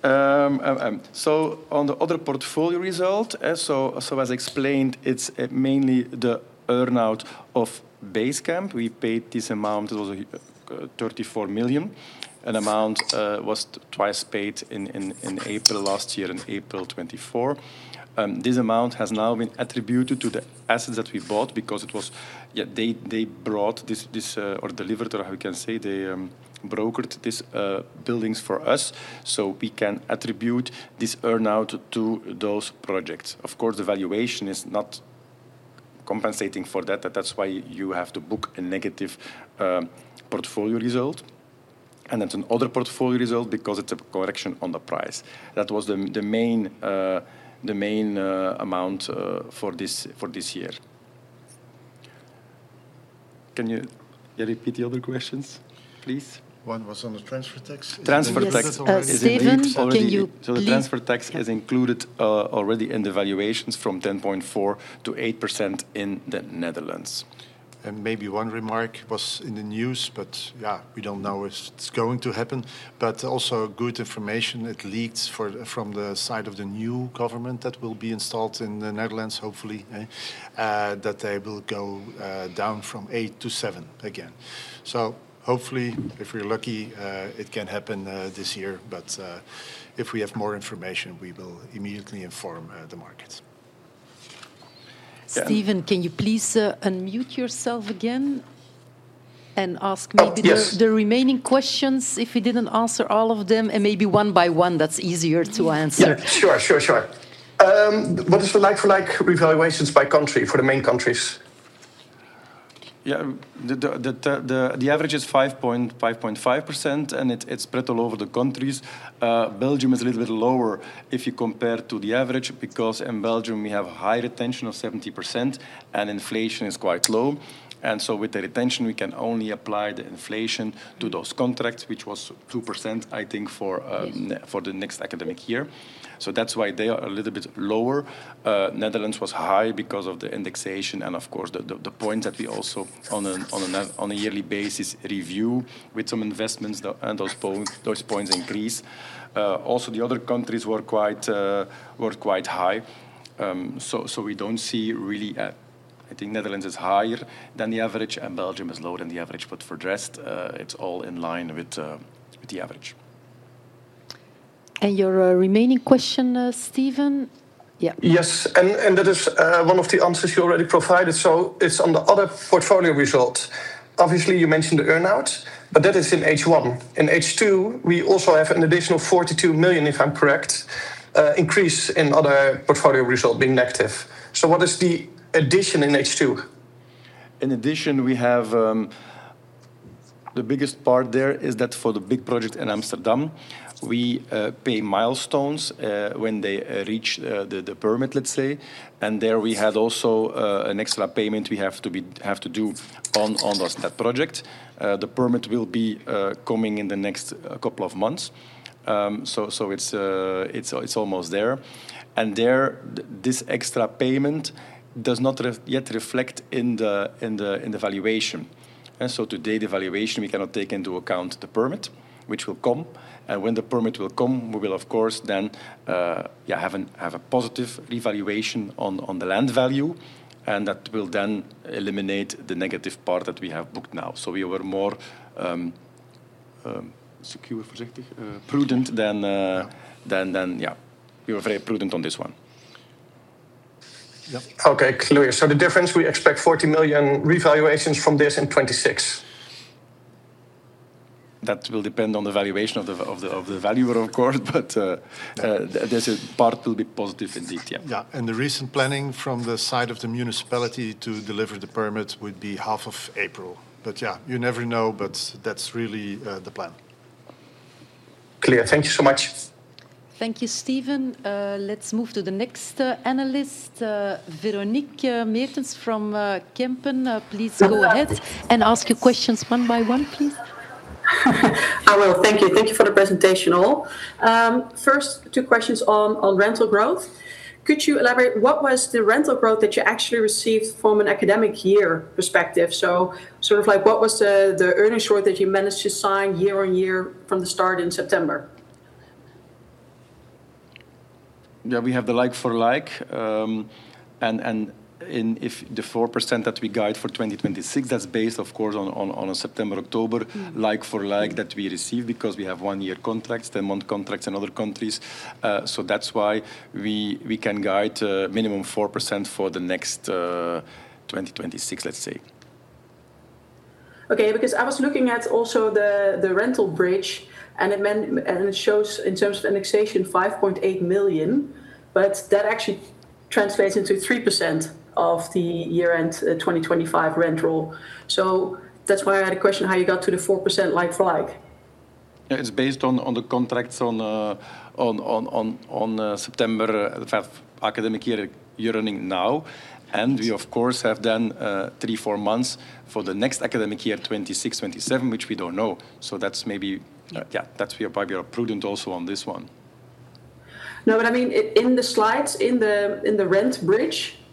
On the other portfolio result, as explained, it's mainly the earn-out of Basecamp. We paid this amount. It was 34 million. An amount was twice paid in April last year, in April 2024. This amount has now been attributed to the assets that we bought because they brought this or delivered, or how we can say, they brokered these buildings for us so we can attribute this earn-out to those projects. Of course, the valuation is not compensating for that. That's why you have to book a negative portfolio result, and that's another portfolio result because it's a correction on the price. That was the main amount for this year. Can you repeat the other questions, please? One was on the transfer tax. Transfer tax is indeed already. Yes, Steven, can you please? The transfer tax is included already in the valuations from 10.4%-8% in the Netherlands. Maybe one remark was in the news, but yeah, we don't know if it's going to happen, but also good information, at least from the side of the new government that will be installed in the Netherlands, hopefully, that they will go down from eight to seven again. Hopefully, if we're lucky, it can happen this year. If we have more information, we will immediately inform the markets. Steven, can you please unmute yourself again and ask? Oh, yes. The remaining questions if we didn't answer all of them and maybe one by one, that's easier to answer. Yeah, sure. What is the like-for-like revaluations by country for the main countries? Yeah. The average is 5.5%, and it's spread all over the countries. Belgium is a little bit lower if you compare to the average, because in Belgium we have high retention of 70% and inflation is quite low. With the retention, we can only apply the inflation to those contracts, which was 2%, I think for the next academic year. That's why they are a little bit lower. Netherlands was high because of the indexation and of course the point that we also, on a yearly basis, review with some investments, and those points increase. Also, the other countries were quite high. I think Netherlands is higher than the average, and Belgium is lower than the average, but for the rest, it's all in line with the average. Your remaining question, Steven? Yeah. Yes. That is one of the answers you already provided. It's on the other portfolio result. Obviously, you mentioned the earn-out, but that is in H1. In H2, we also have an additional 42 million, if I'm correct, increase in other portfolio result being negative. What is the addition in H2? In addition, we have the biggest part there is that for the big project in Amsterdam, we pay milestones when they reach the permit, let's say. There we had also an extra payment we have to do on that project. The permit will be coming in the next couple of months. It's almost there. There, this extra payment does not yet reflect in the valuation. Today, the valuation, we cannot take into account the permit, which will come. When the permit will come, we will of course then have a positive revaluation on the land value, and that will then eliminate the negative part that we have booked now. Yeah. We were very prudent on this one. Yep. Okay, clear. The difference, we expect 40 million revaluations from this in 2026. That will depend on the valuation of the valuer, of course, but this part will be positive indeed. Yeah. Yeah, the recent planning from the side of the municipality to deliver the permit would be half of April. Yeah, you never know, but that's really the plan. Clear. Thank you so much. Thank you, Steven. Let's move to the next Analyst, Véronique Meertens from Kempen. Please go ahead and ask your questions one by one, please. I will. Thank you for the presentation, all. First, two questions on rental growth. Could you elaborate, what was the rental growth that you actually received from an academic year perspective? Sort of like, what was the earnings growth that you managed to sign year-on-year from the start in September? Yeah, we have the like-for-like, and if the 4% that we guide for 2026, that's based of course on a September-October like-for-like that we receive because we have one-year contracts, 10-month contracts in other countries. That's why we can guide minimum 4% for the next 2026, let's say. Because I was looking at also the rental bridge, and it shows in terms of indexation 5.8 million. That actually translates into 3% of the year-end 2025 rent roll. That's why I had a question how you got to the 4% like-for-like? It's based on the contracts on September of academic year you're running now. We, of course, have done three, four months for the next academic year, 2026-2027, which we don't know. Yeah, we are probably prudent also on this one. No, I mean, in the slides, in the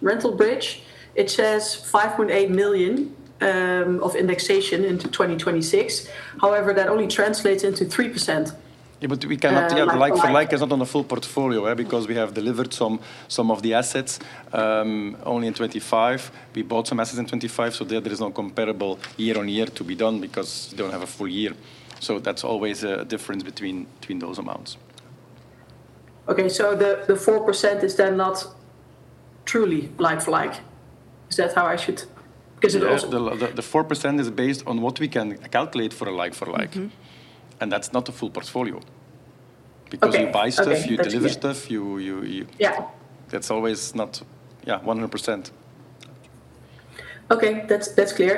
rental bridge, it says 5.8 million of indexation into 2026. However, that only translates into 3%. The like is not on a full portfolio because we have delivered some of the assets only in 2025. We bought some assets in 2025, so there is no comparable year-on-year to be done because you don't have a full year. That's always a difference between those amounts. Okay. The 4% is then not truly like-for-like? The 4% is based on what we can calculate for a like-for-like. That's not a full portfolio. Okay. Because you buy stuff, you deliver stuff, that's always not 100%. Okay. That's clear.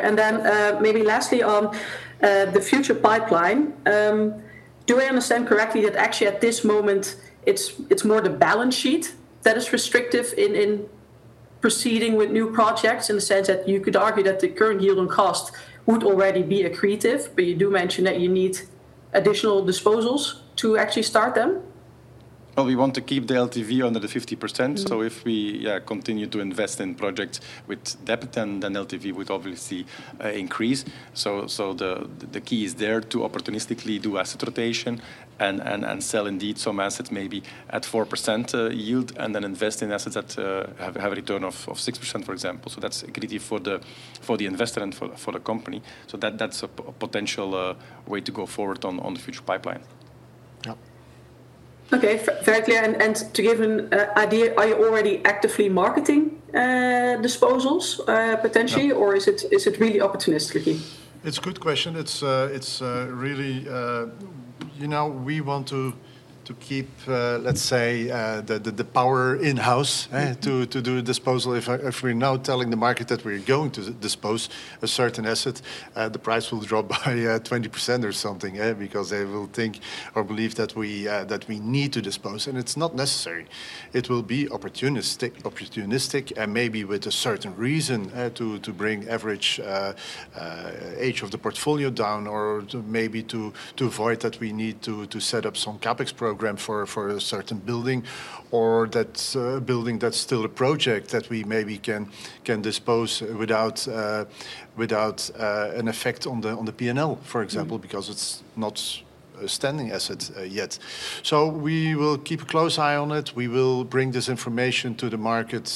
Maybe lastly on the future pipeline, do I understand correctly that actually at this moment it's more the balance sheet that is restrictive in proceeding with new projects in the sense that you could argue that the current yield on cost would already be accretive, but you do mention that you need additional disposals to actually start them? Well, we want to keep the LTV under the 50%. If we, yeah, continue to invest in projects with debt, then LTV would obviously increase. The key is there to opportunistically do asset rotation and sell indeed some assets maybe at 4% yield and then invest in assets that have a return of 6%, for example. That's accretive for the investor and for the company. That's a potential way to go forward on the future pipeline. Okay, very clear. To give an idea, are you already actively marketing disposals, potentially? Is it really opportunistically? It's a good question. We want to keep the power in-house to do a disposal. If we're now telling the market that we're going to dispose a certain asset, the price will drop by 20% or something, because they will think or believe that we need to dispose, and it's not necessary. It will be opportunistic and maybe with a certain reason, to bring average age of the portfolio down or maybe to avoid that we need to set up some CapEx program for a certain building or that building that's still a project that we maybe can dispose without an effect on the P&L, for example. Because it's not a standing asset yet. We will keep a close eye on it. We will bring this information to the market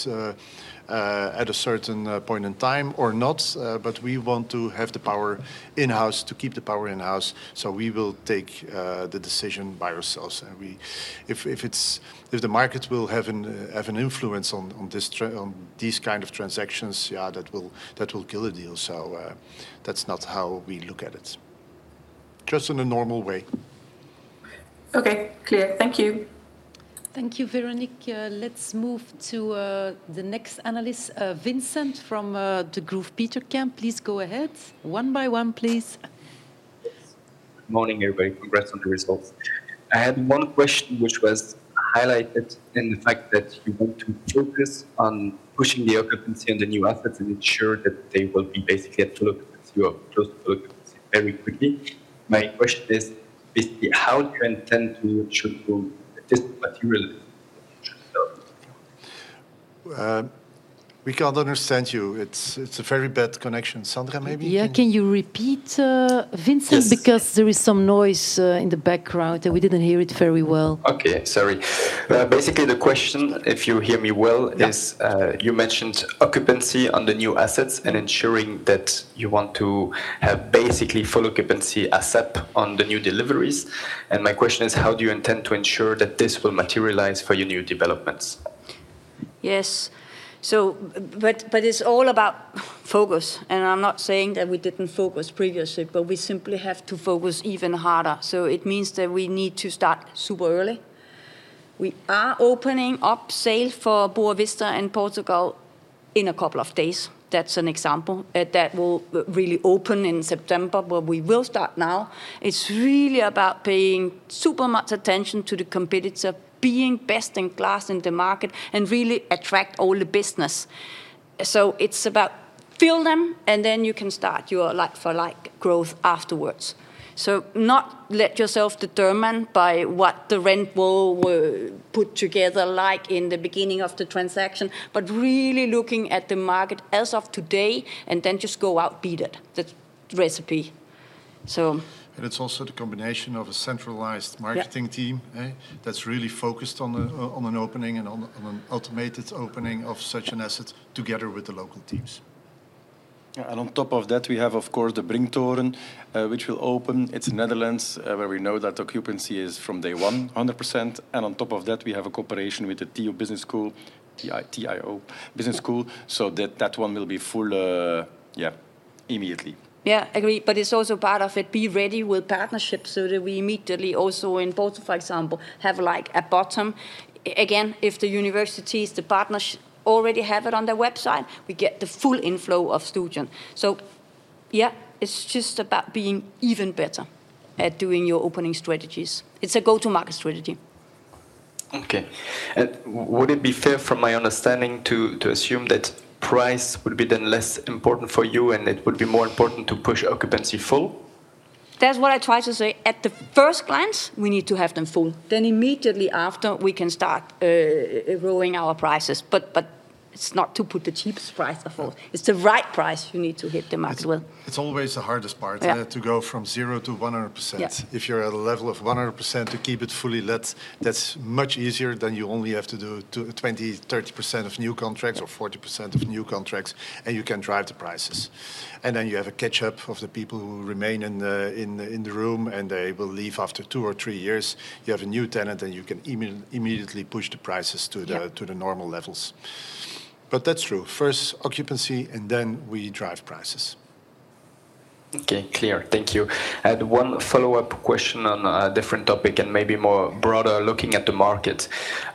at a certain point in time or not. We want to have the power in-house, to keep the power in-house. We will take the decision by ourselves and if the market will have an influence on these kind of transactions, yeah, that will kill the deal. That's not how we look at it, just in a normal way. Okay. Clear. Thank you. Thank you, Véronique. Let's move to the next Analyst, Vincent from Degroof Petercam. Please go ahead. One by one, please. Morning, everybody. Congrats on the results. I had one question, which was highlighted in the fact that you want to focus on pushing the occupancy on the new assets and ensure that they will be basically at full occupancy or close to full occupancy very quickly. My question is basically, how do you intend to ensure this materializes? We can't understand you. It's a very bad connection. Olsen, maybe you can. Yeah. Can you repeat, Vincent? Yes. Because there is some noise in the background and we didn't hear it very well. Okay. Sorry. Basically, if you hear me well? You mentioned occupancy on the new assets and ensuring that you want to have basically full occupancy ASAP on the new deliveries. My question is, how do you intend to ensure that this will materialize for your new developments? Yes. It's all about focus, and I'm not saying that we didn't focus previously, but we simply have to focus even harder. It means that we need to start super early. We are opening up sale for Boa-Vista in Portugal in a couple of days. That's an example. That will really open in September, but we will start now. It's really about paying super much attention to the competitor, being best in class in the market and really attract all the business. It's about fill them and then you can start your like-for-like growth afterwards. Not let yourself determined by what the rent will put together like in the beginning of the transaction, but really looking at the market as of today and then just go outbeat it. That's the recipe. It's also the combination of a centralized marketing team. That's really focused on an opening and on an automated opening of such an asset together with the local teams. Yeah. On top of that, we have, of course, the Brinktoren, which will open. It's Netherlands, where we know that occupancy is from day one 100%. On top of that, we have a cooperation with the Tio Business School, so that one will be full immediately. Yeah, agreed. It's also part of it. Be ready with partnerships so that we immediately also in Portugal, for example, have like a bottom. Again, if the universities, the partners, already have it on their website, we get the full inflow of students. Yeah, it's just about being even better at doing your opening strategies. It's a go-to-market strategy. Okay. Would it be fair from my understanding to assume that price would be then less important for you and it would be more important to push occupancy full? That's what I try to say. At the first glance, we need to have them full. Immediately after, we can start growing our prices. It's not to put the cheapest price of all, it's the right price you need to hit the market with. It's always the hardest part to go from 0%-100%. Yeah. If you're at a level of 100%, to keep it fully let, that's much easier than you only have to do 20%-30% of new contracts or 40% of new contracts, and you can drive the prices. You have a catch-up of the people who remain in the room, and they will leave after two or three years. You have a new tenant, and you can immediately push the prices to the normal levels. That's true. First occupancy, and then we drive prices. Okay, clear. Thank you. I had one follow-up question on a different topic and maybe more broader, looking at the market.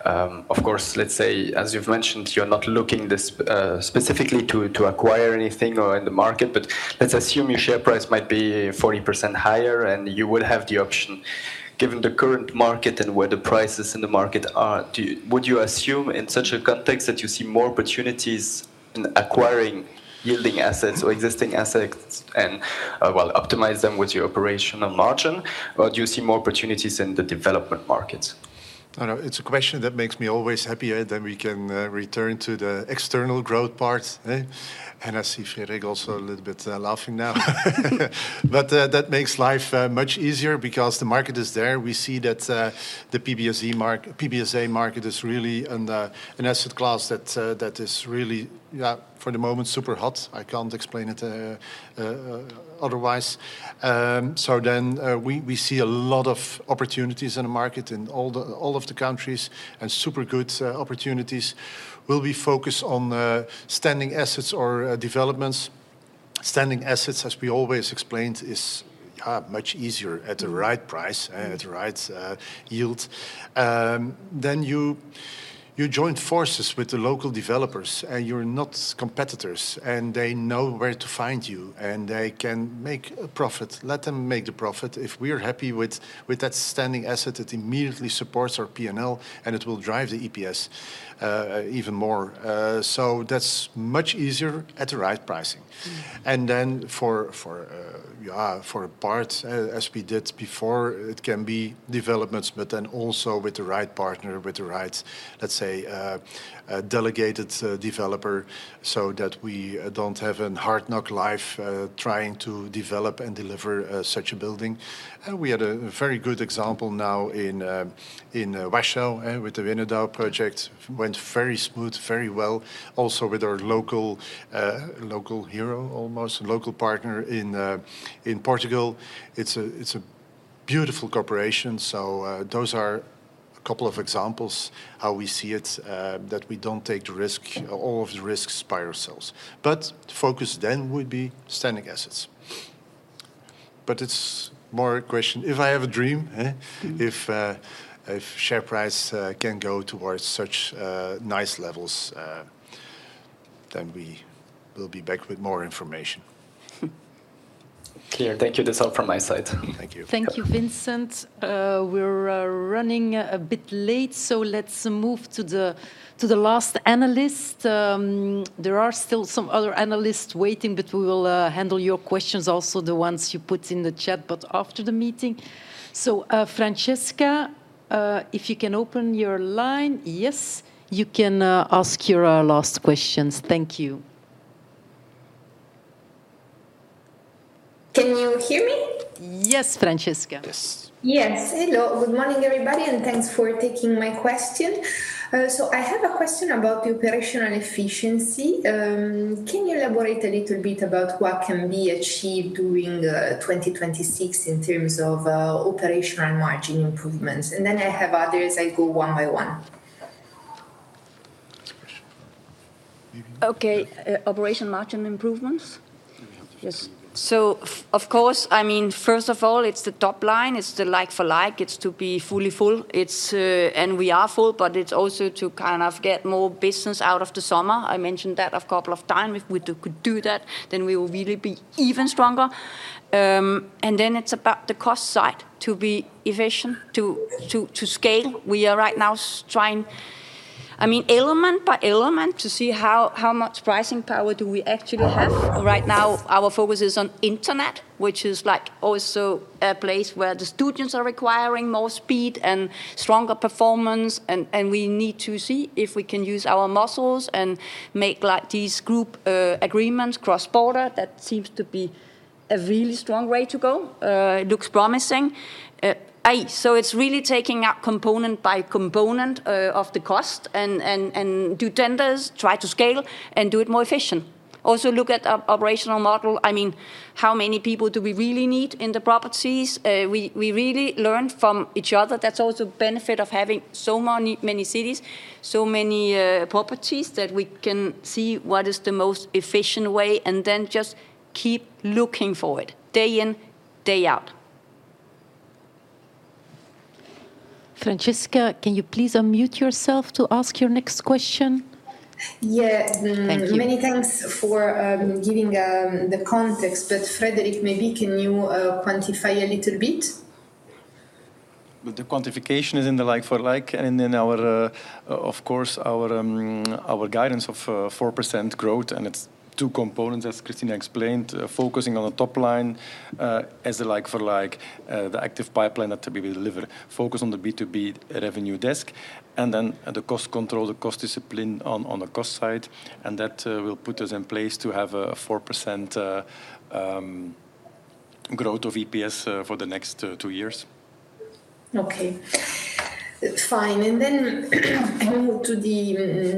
Of course, let's say, as you've mentioned, you're not looking specifically to acquire anything or in the market, but let's assume your share price might be 40% higher, and you would have the option. Given the current market and where the prices in the market are, would you assume in such a context that you see more opportunities in acquiring yielding assets or existing assets and, well, optimize them with your operational margin? Do you see more opportunities in the development markets? I know it's a question that makes me always happier that we can return to the external growth part. I see Frederik also a little bit laughing now. That makes life much easier because the market is there. We see that the PBSA market is really an asset class that is really, for the moment, super hot. I can't explain it otherwise. We see a lot of opportunities in the market, in all of the countries, and super good opportunities. We'll be focused on standing assets or developments. Standing assets, as we always explained, is much easier at the right price and at the right yield. You join forces with the local developers, and you're not competitors, and they know where to find you, and they can make a profit. Let them make the profit. If we're happy with that standing asset, it immediately supports our P&L, and it will drive the EPS even more. That's much easier at the right pricing. For parts, as we did before, it can be developments, but then also with the right partner, with the right, let's say, delegated developer so that we don't have a hard-knock life trying to develop and deliver such a building. We had a very good example now in Warsaw with the Wenedów project. It went very smooth, very well. Also, with our local hero almost, local partner in Portugal, it's a beautiful cooperation. Those are a couple of examples how we see it, that we don't take all of the risks by ourselves. The focus then would be standing assets. It's more a question if I have a dream, if share price can go towards such nice levels, then we will be back with more information. Clear. Thank you. That's all from my side. Thank you. Thank you, Vincent. We're running a bit late, so let's move to the last analyst. There are still some other analysts waiting, but we will handle your questions, also the ones you put in the chat, but after the meeting. Francesca, if you can open your line. Yes, you can ask your last questions. Thank you. Can you hear me? Yes, Francesca. Yes. Yes. Hello. Good morning, everybody, and thanks for taking my question. I have a question about the operational efficiency. Can you elaborate a little bit about what can be achieved during 2026 in terms of operational margin improvements? I have others. I go one by one. Okay, operating margin improvements? Of course, first of all, it's the top line. It's the like-for-like, it's to be fully full. We are full, but it's also to kind of get more business out of the summer. I mentioned that a couple of times. If we could do that, then we will really be even stronger. It's about the cost side to be efficient, to scale. We are right now trying, element by element, to see how much pricing power do we actually have. Right now, our focus is on internet, which is also a place where the students are requiring more speed and stronger performance, and we need to see if we can use our muscles and make these group agreements cross-border. That seems to be a really strong way to go. It looks promising. It's really taking out component by component of the cost and do tenders, try to scale, and do it more efficient. Also, look at our operational model. How many people do we really need in the properties? We really learn from each other. That's also benefit of having so many cities, so many properties that we can see what is the most efficient way and then just keep looking for it day in, day out. Francesca, can you please unmute yourself to ask your next question? Yeah. Many thanks for giving the context. Frederik, maybe can you quantify a little bit? The quantification is in the like-for-like and in, of course, our guidance of 4% growth and its two components, as Kristina explained, focusing on the top line as a like-for-like, the active pipeline to be delivered, focus on the B2B revenue desk, and then the cost control, the cost discipline on the cost side. That will put us in place to have a 4% growth of EPS for the next two years. Okay, fine. I move to the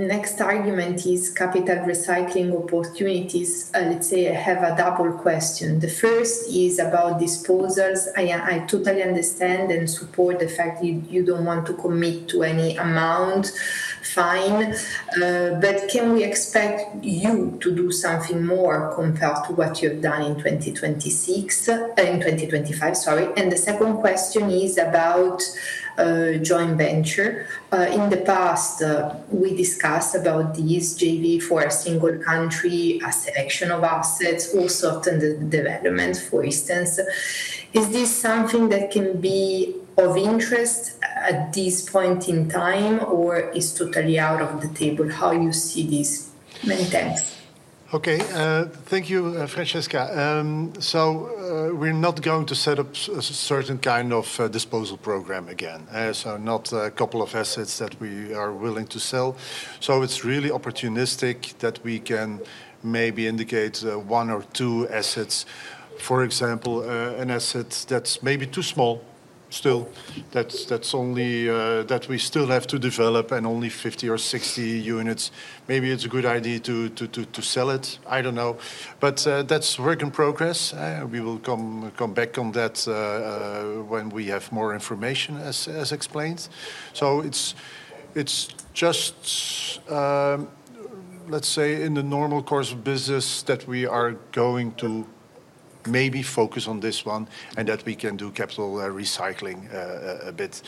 next argument is capital recycling opportunities. Let's say I have a double question. The first is about disposals. I totally understand and support the fact you don't want to commit to any amount, fine. Can we expect you to do something more compared to what you've done in 2026, in 2025, sorry? The second question is about joint venture. In the past, we discussed about this JV for a single country, a section of assets, also in the development, for instance. Is this something that can be of interest at this point in time, or it's totally out of the table? How you see this? Many thanks. Okay. Thank you, Francesca. We're not going to set up a certain kind of disposal program again. Not a couple of assets that we are willing to sell. It's really opportunistic that we can maybe indicate one or two assets. For example, an asset that's maybe too small still, that we still have to develop and only 50 or 60 units. Maybe it's a good idea to sell it, I don't know. That's work in progress. We will come back on that when we have more information, as explained. It's just, let's say, in the normal course of business that we are going to maybe focus on this one and that we can do capital recycling a bit.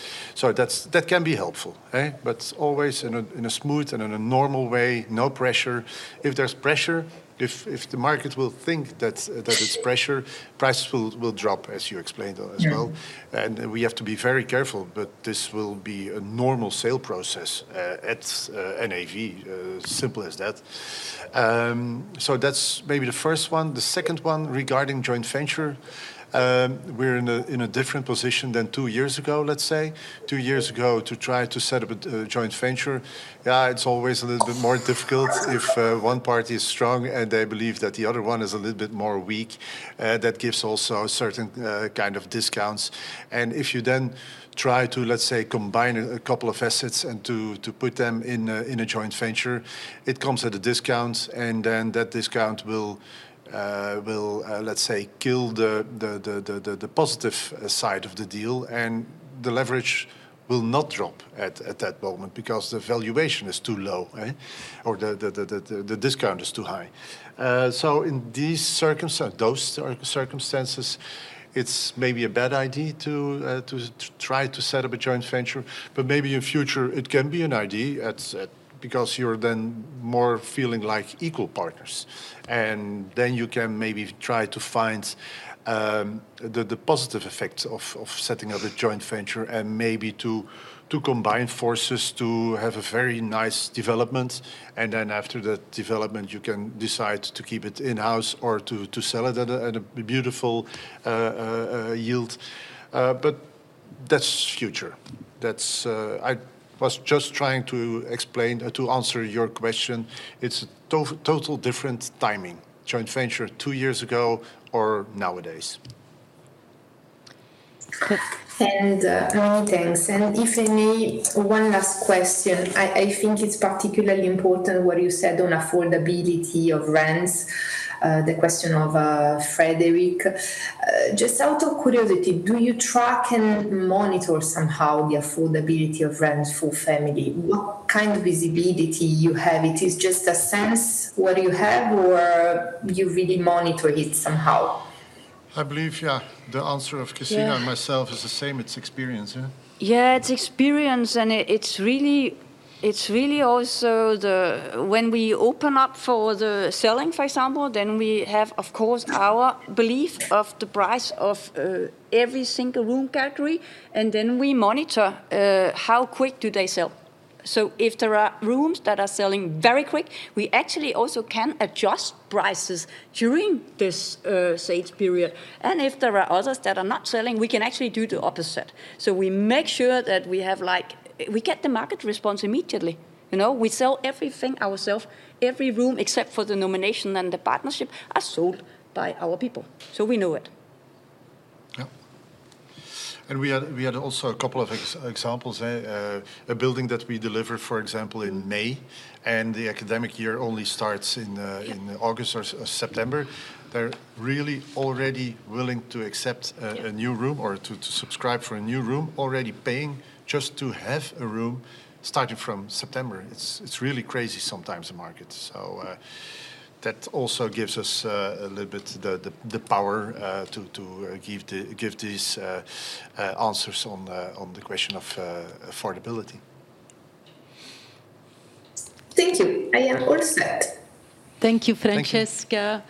That can be helpful, but always in a smooth and in a normal way. No pressure. If there's pressure, if the market will think that it's pressure, price will drop, as you explained as well. We have to be very careful, but this will be a normal sale process at NAV, simple as that. That's maybe the first one. The second one, regarding joint venture, we're in a different position than two years ago, let's say. Two years ago, to try to set up a joint venture, it's always a little bit more difficult if one party is strong and they believe that the other one is a little bit weaker. That gives also certain kind of discounts. If you then try to, let's say, combine a couple of assets and to put them in a joint venture, it comes at a discount, and then that discount will, let's say, kill the positive side of the deal, and the leverage will not drop at that moment because the valuation is too low or the discount is too high. In those circumstances, it's maybe a bad idea to try to set up a joint venture, but maybe in future it can be an idea, because you're then more feeling like equal partners. You can maybe try to find the positive effects of setting up a joint venture and maybe to combine forces to have a very nice development. After that development, you can decide to keep it in-house or to sell it at a beautiful yield. That's future. I was just trying to explain, to answer your question, it's total different timing, joint venture two years ago or nowadays. Cool. Thanks. If I may, one last question. I think it's particularly important what you said on affordability of rents, the question of Frederik. Just out of curiosity, do you track and monitor somehow the affordability of rents for family? What kind of visibility you have? It is just a sense what you have, or you really monitor it somehow? I believe, yeah, the answer of Kristina and myself is the same. It's experience, yeah? Yeah, it's experience. It's really also when we open up for the selling, for example, then we have, of course, our belief of the price of every single room category, and then we monitor how quick do they sell. If there are rooms that are selling very quick, we actually also can adjust prices during this sales period. If there are others that are not selling, we can actually do the opposite. We make sure that we get the market response immediately. We sell everything ourself. Every room, except for the nomination and the partnership, are sold by our people, so we know it. Yeah. We had also a couple of examples. A building that we delivered, for example, in May, and the academic year only starts in August or September. They're really already willing to accept a new room or to subscribe for a new room, already paying just to have a room starting from September. It's really crazy sometimes, the market. That also gives us a little bit the power to give these answers on the question of affordability. Thank you. I am all set. Thank you. Thank you, Francesca.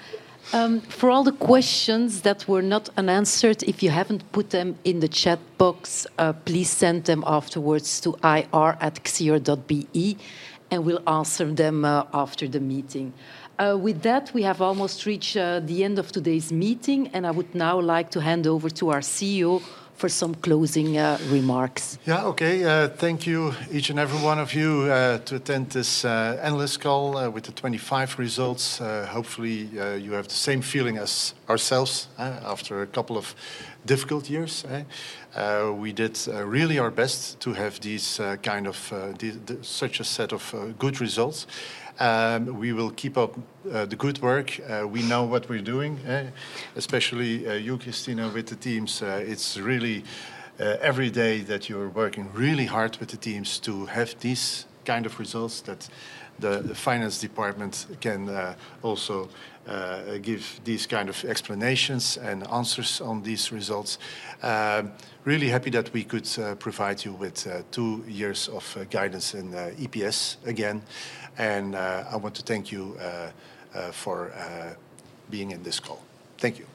For all the questions that were not answered, if you haven't put them in the chat box, please send them afterwards to ir@xior.be, and we'll answer them after the meeting. With that, we have almost reached the end of today's meeting, and I would now like to hand over to our CEO for some closing remarks. Yeah, okay. Thank you each and every one of you to attend this analyst call with the 2025 results. Hopefully, you have the same feeling as ourselves after a couple of difficult years. We did really our best to have such a set of good results. We will keep up the good work. We know what we're doing, especially you, Kristina, with the teams. It's really every day that you're working really hard with the teams to have these kind of results that the finance department can also give these kind of explanations and answers on these results. Really happy that we could provide you with two years of guidance in EPS again, and I want to thank you for being in this call. Thank you.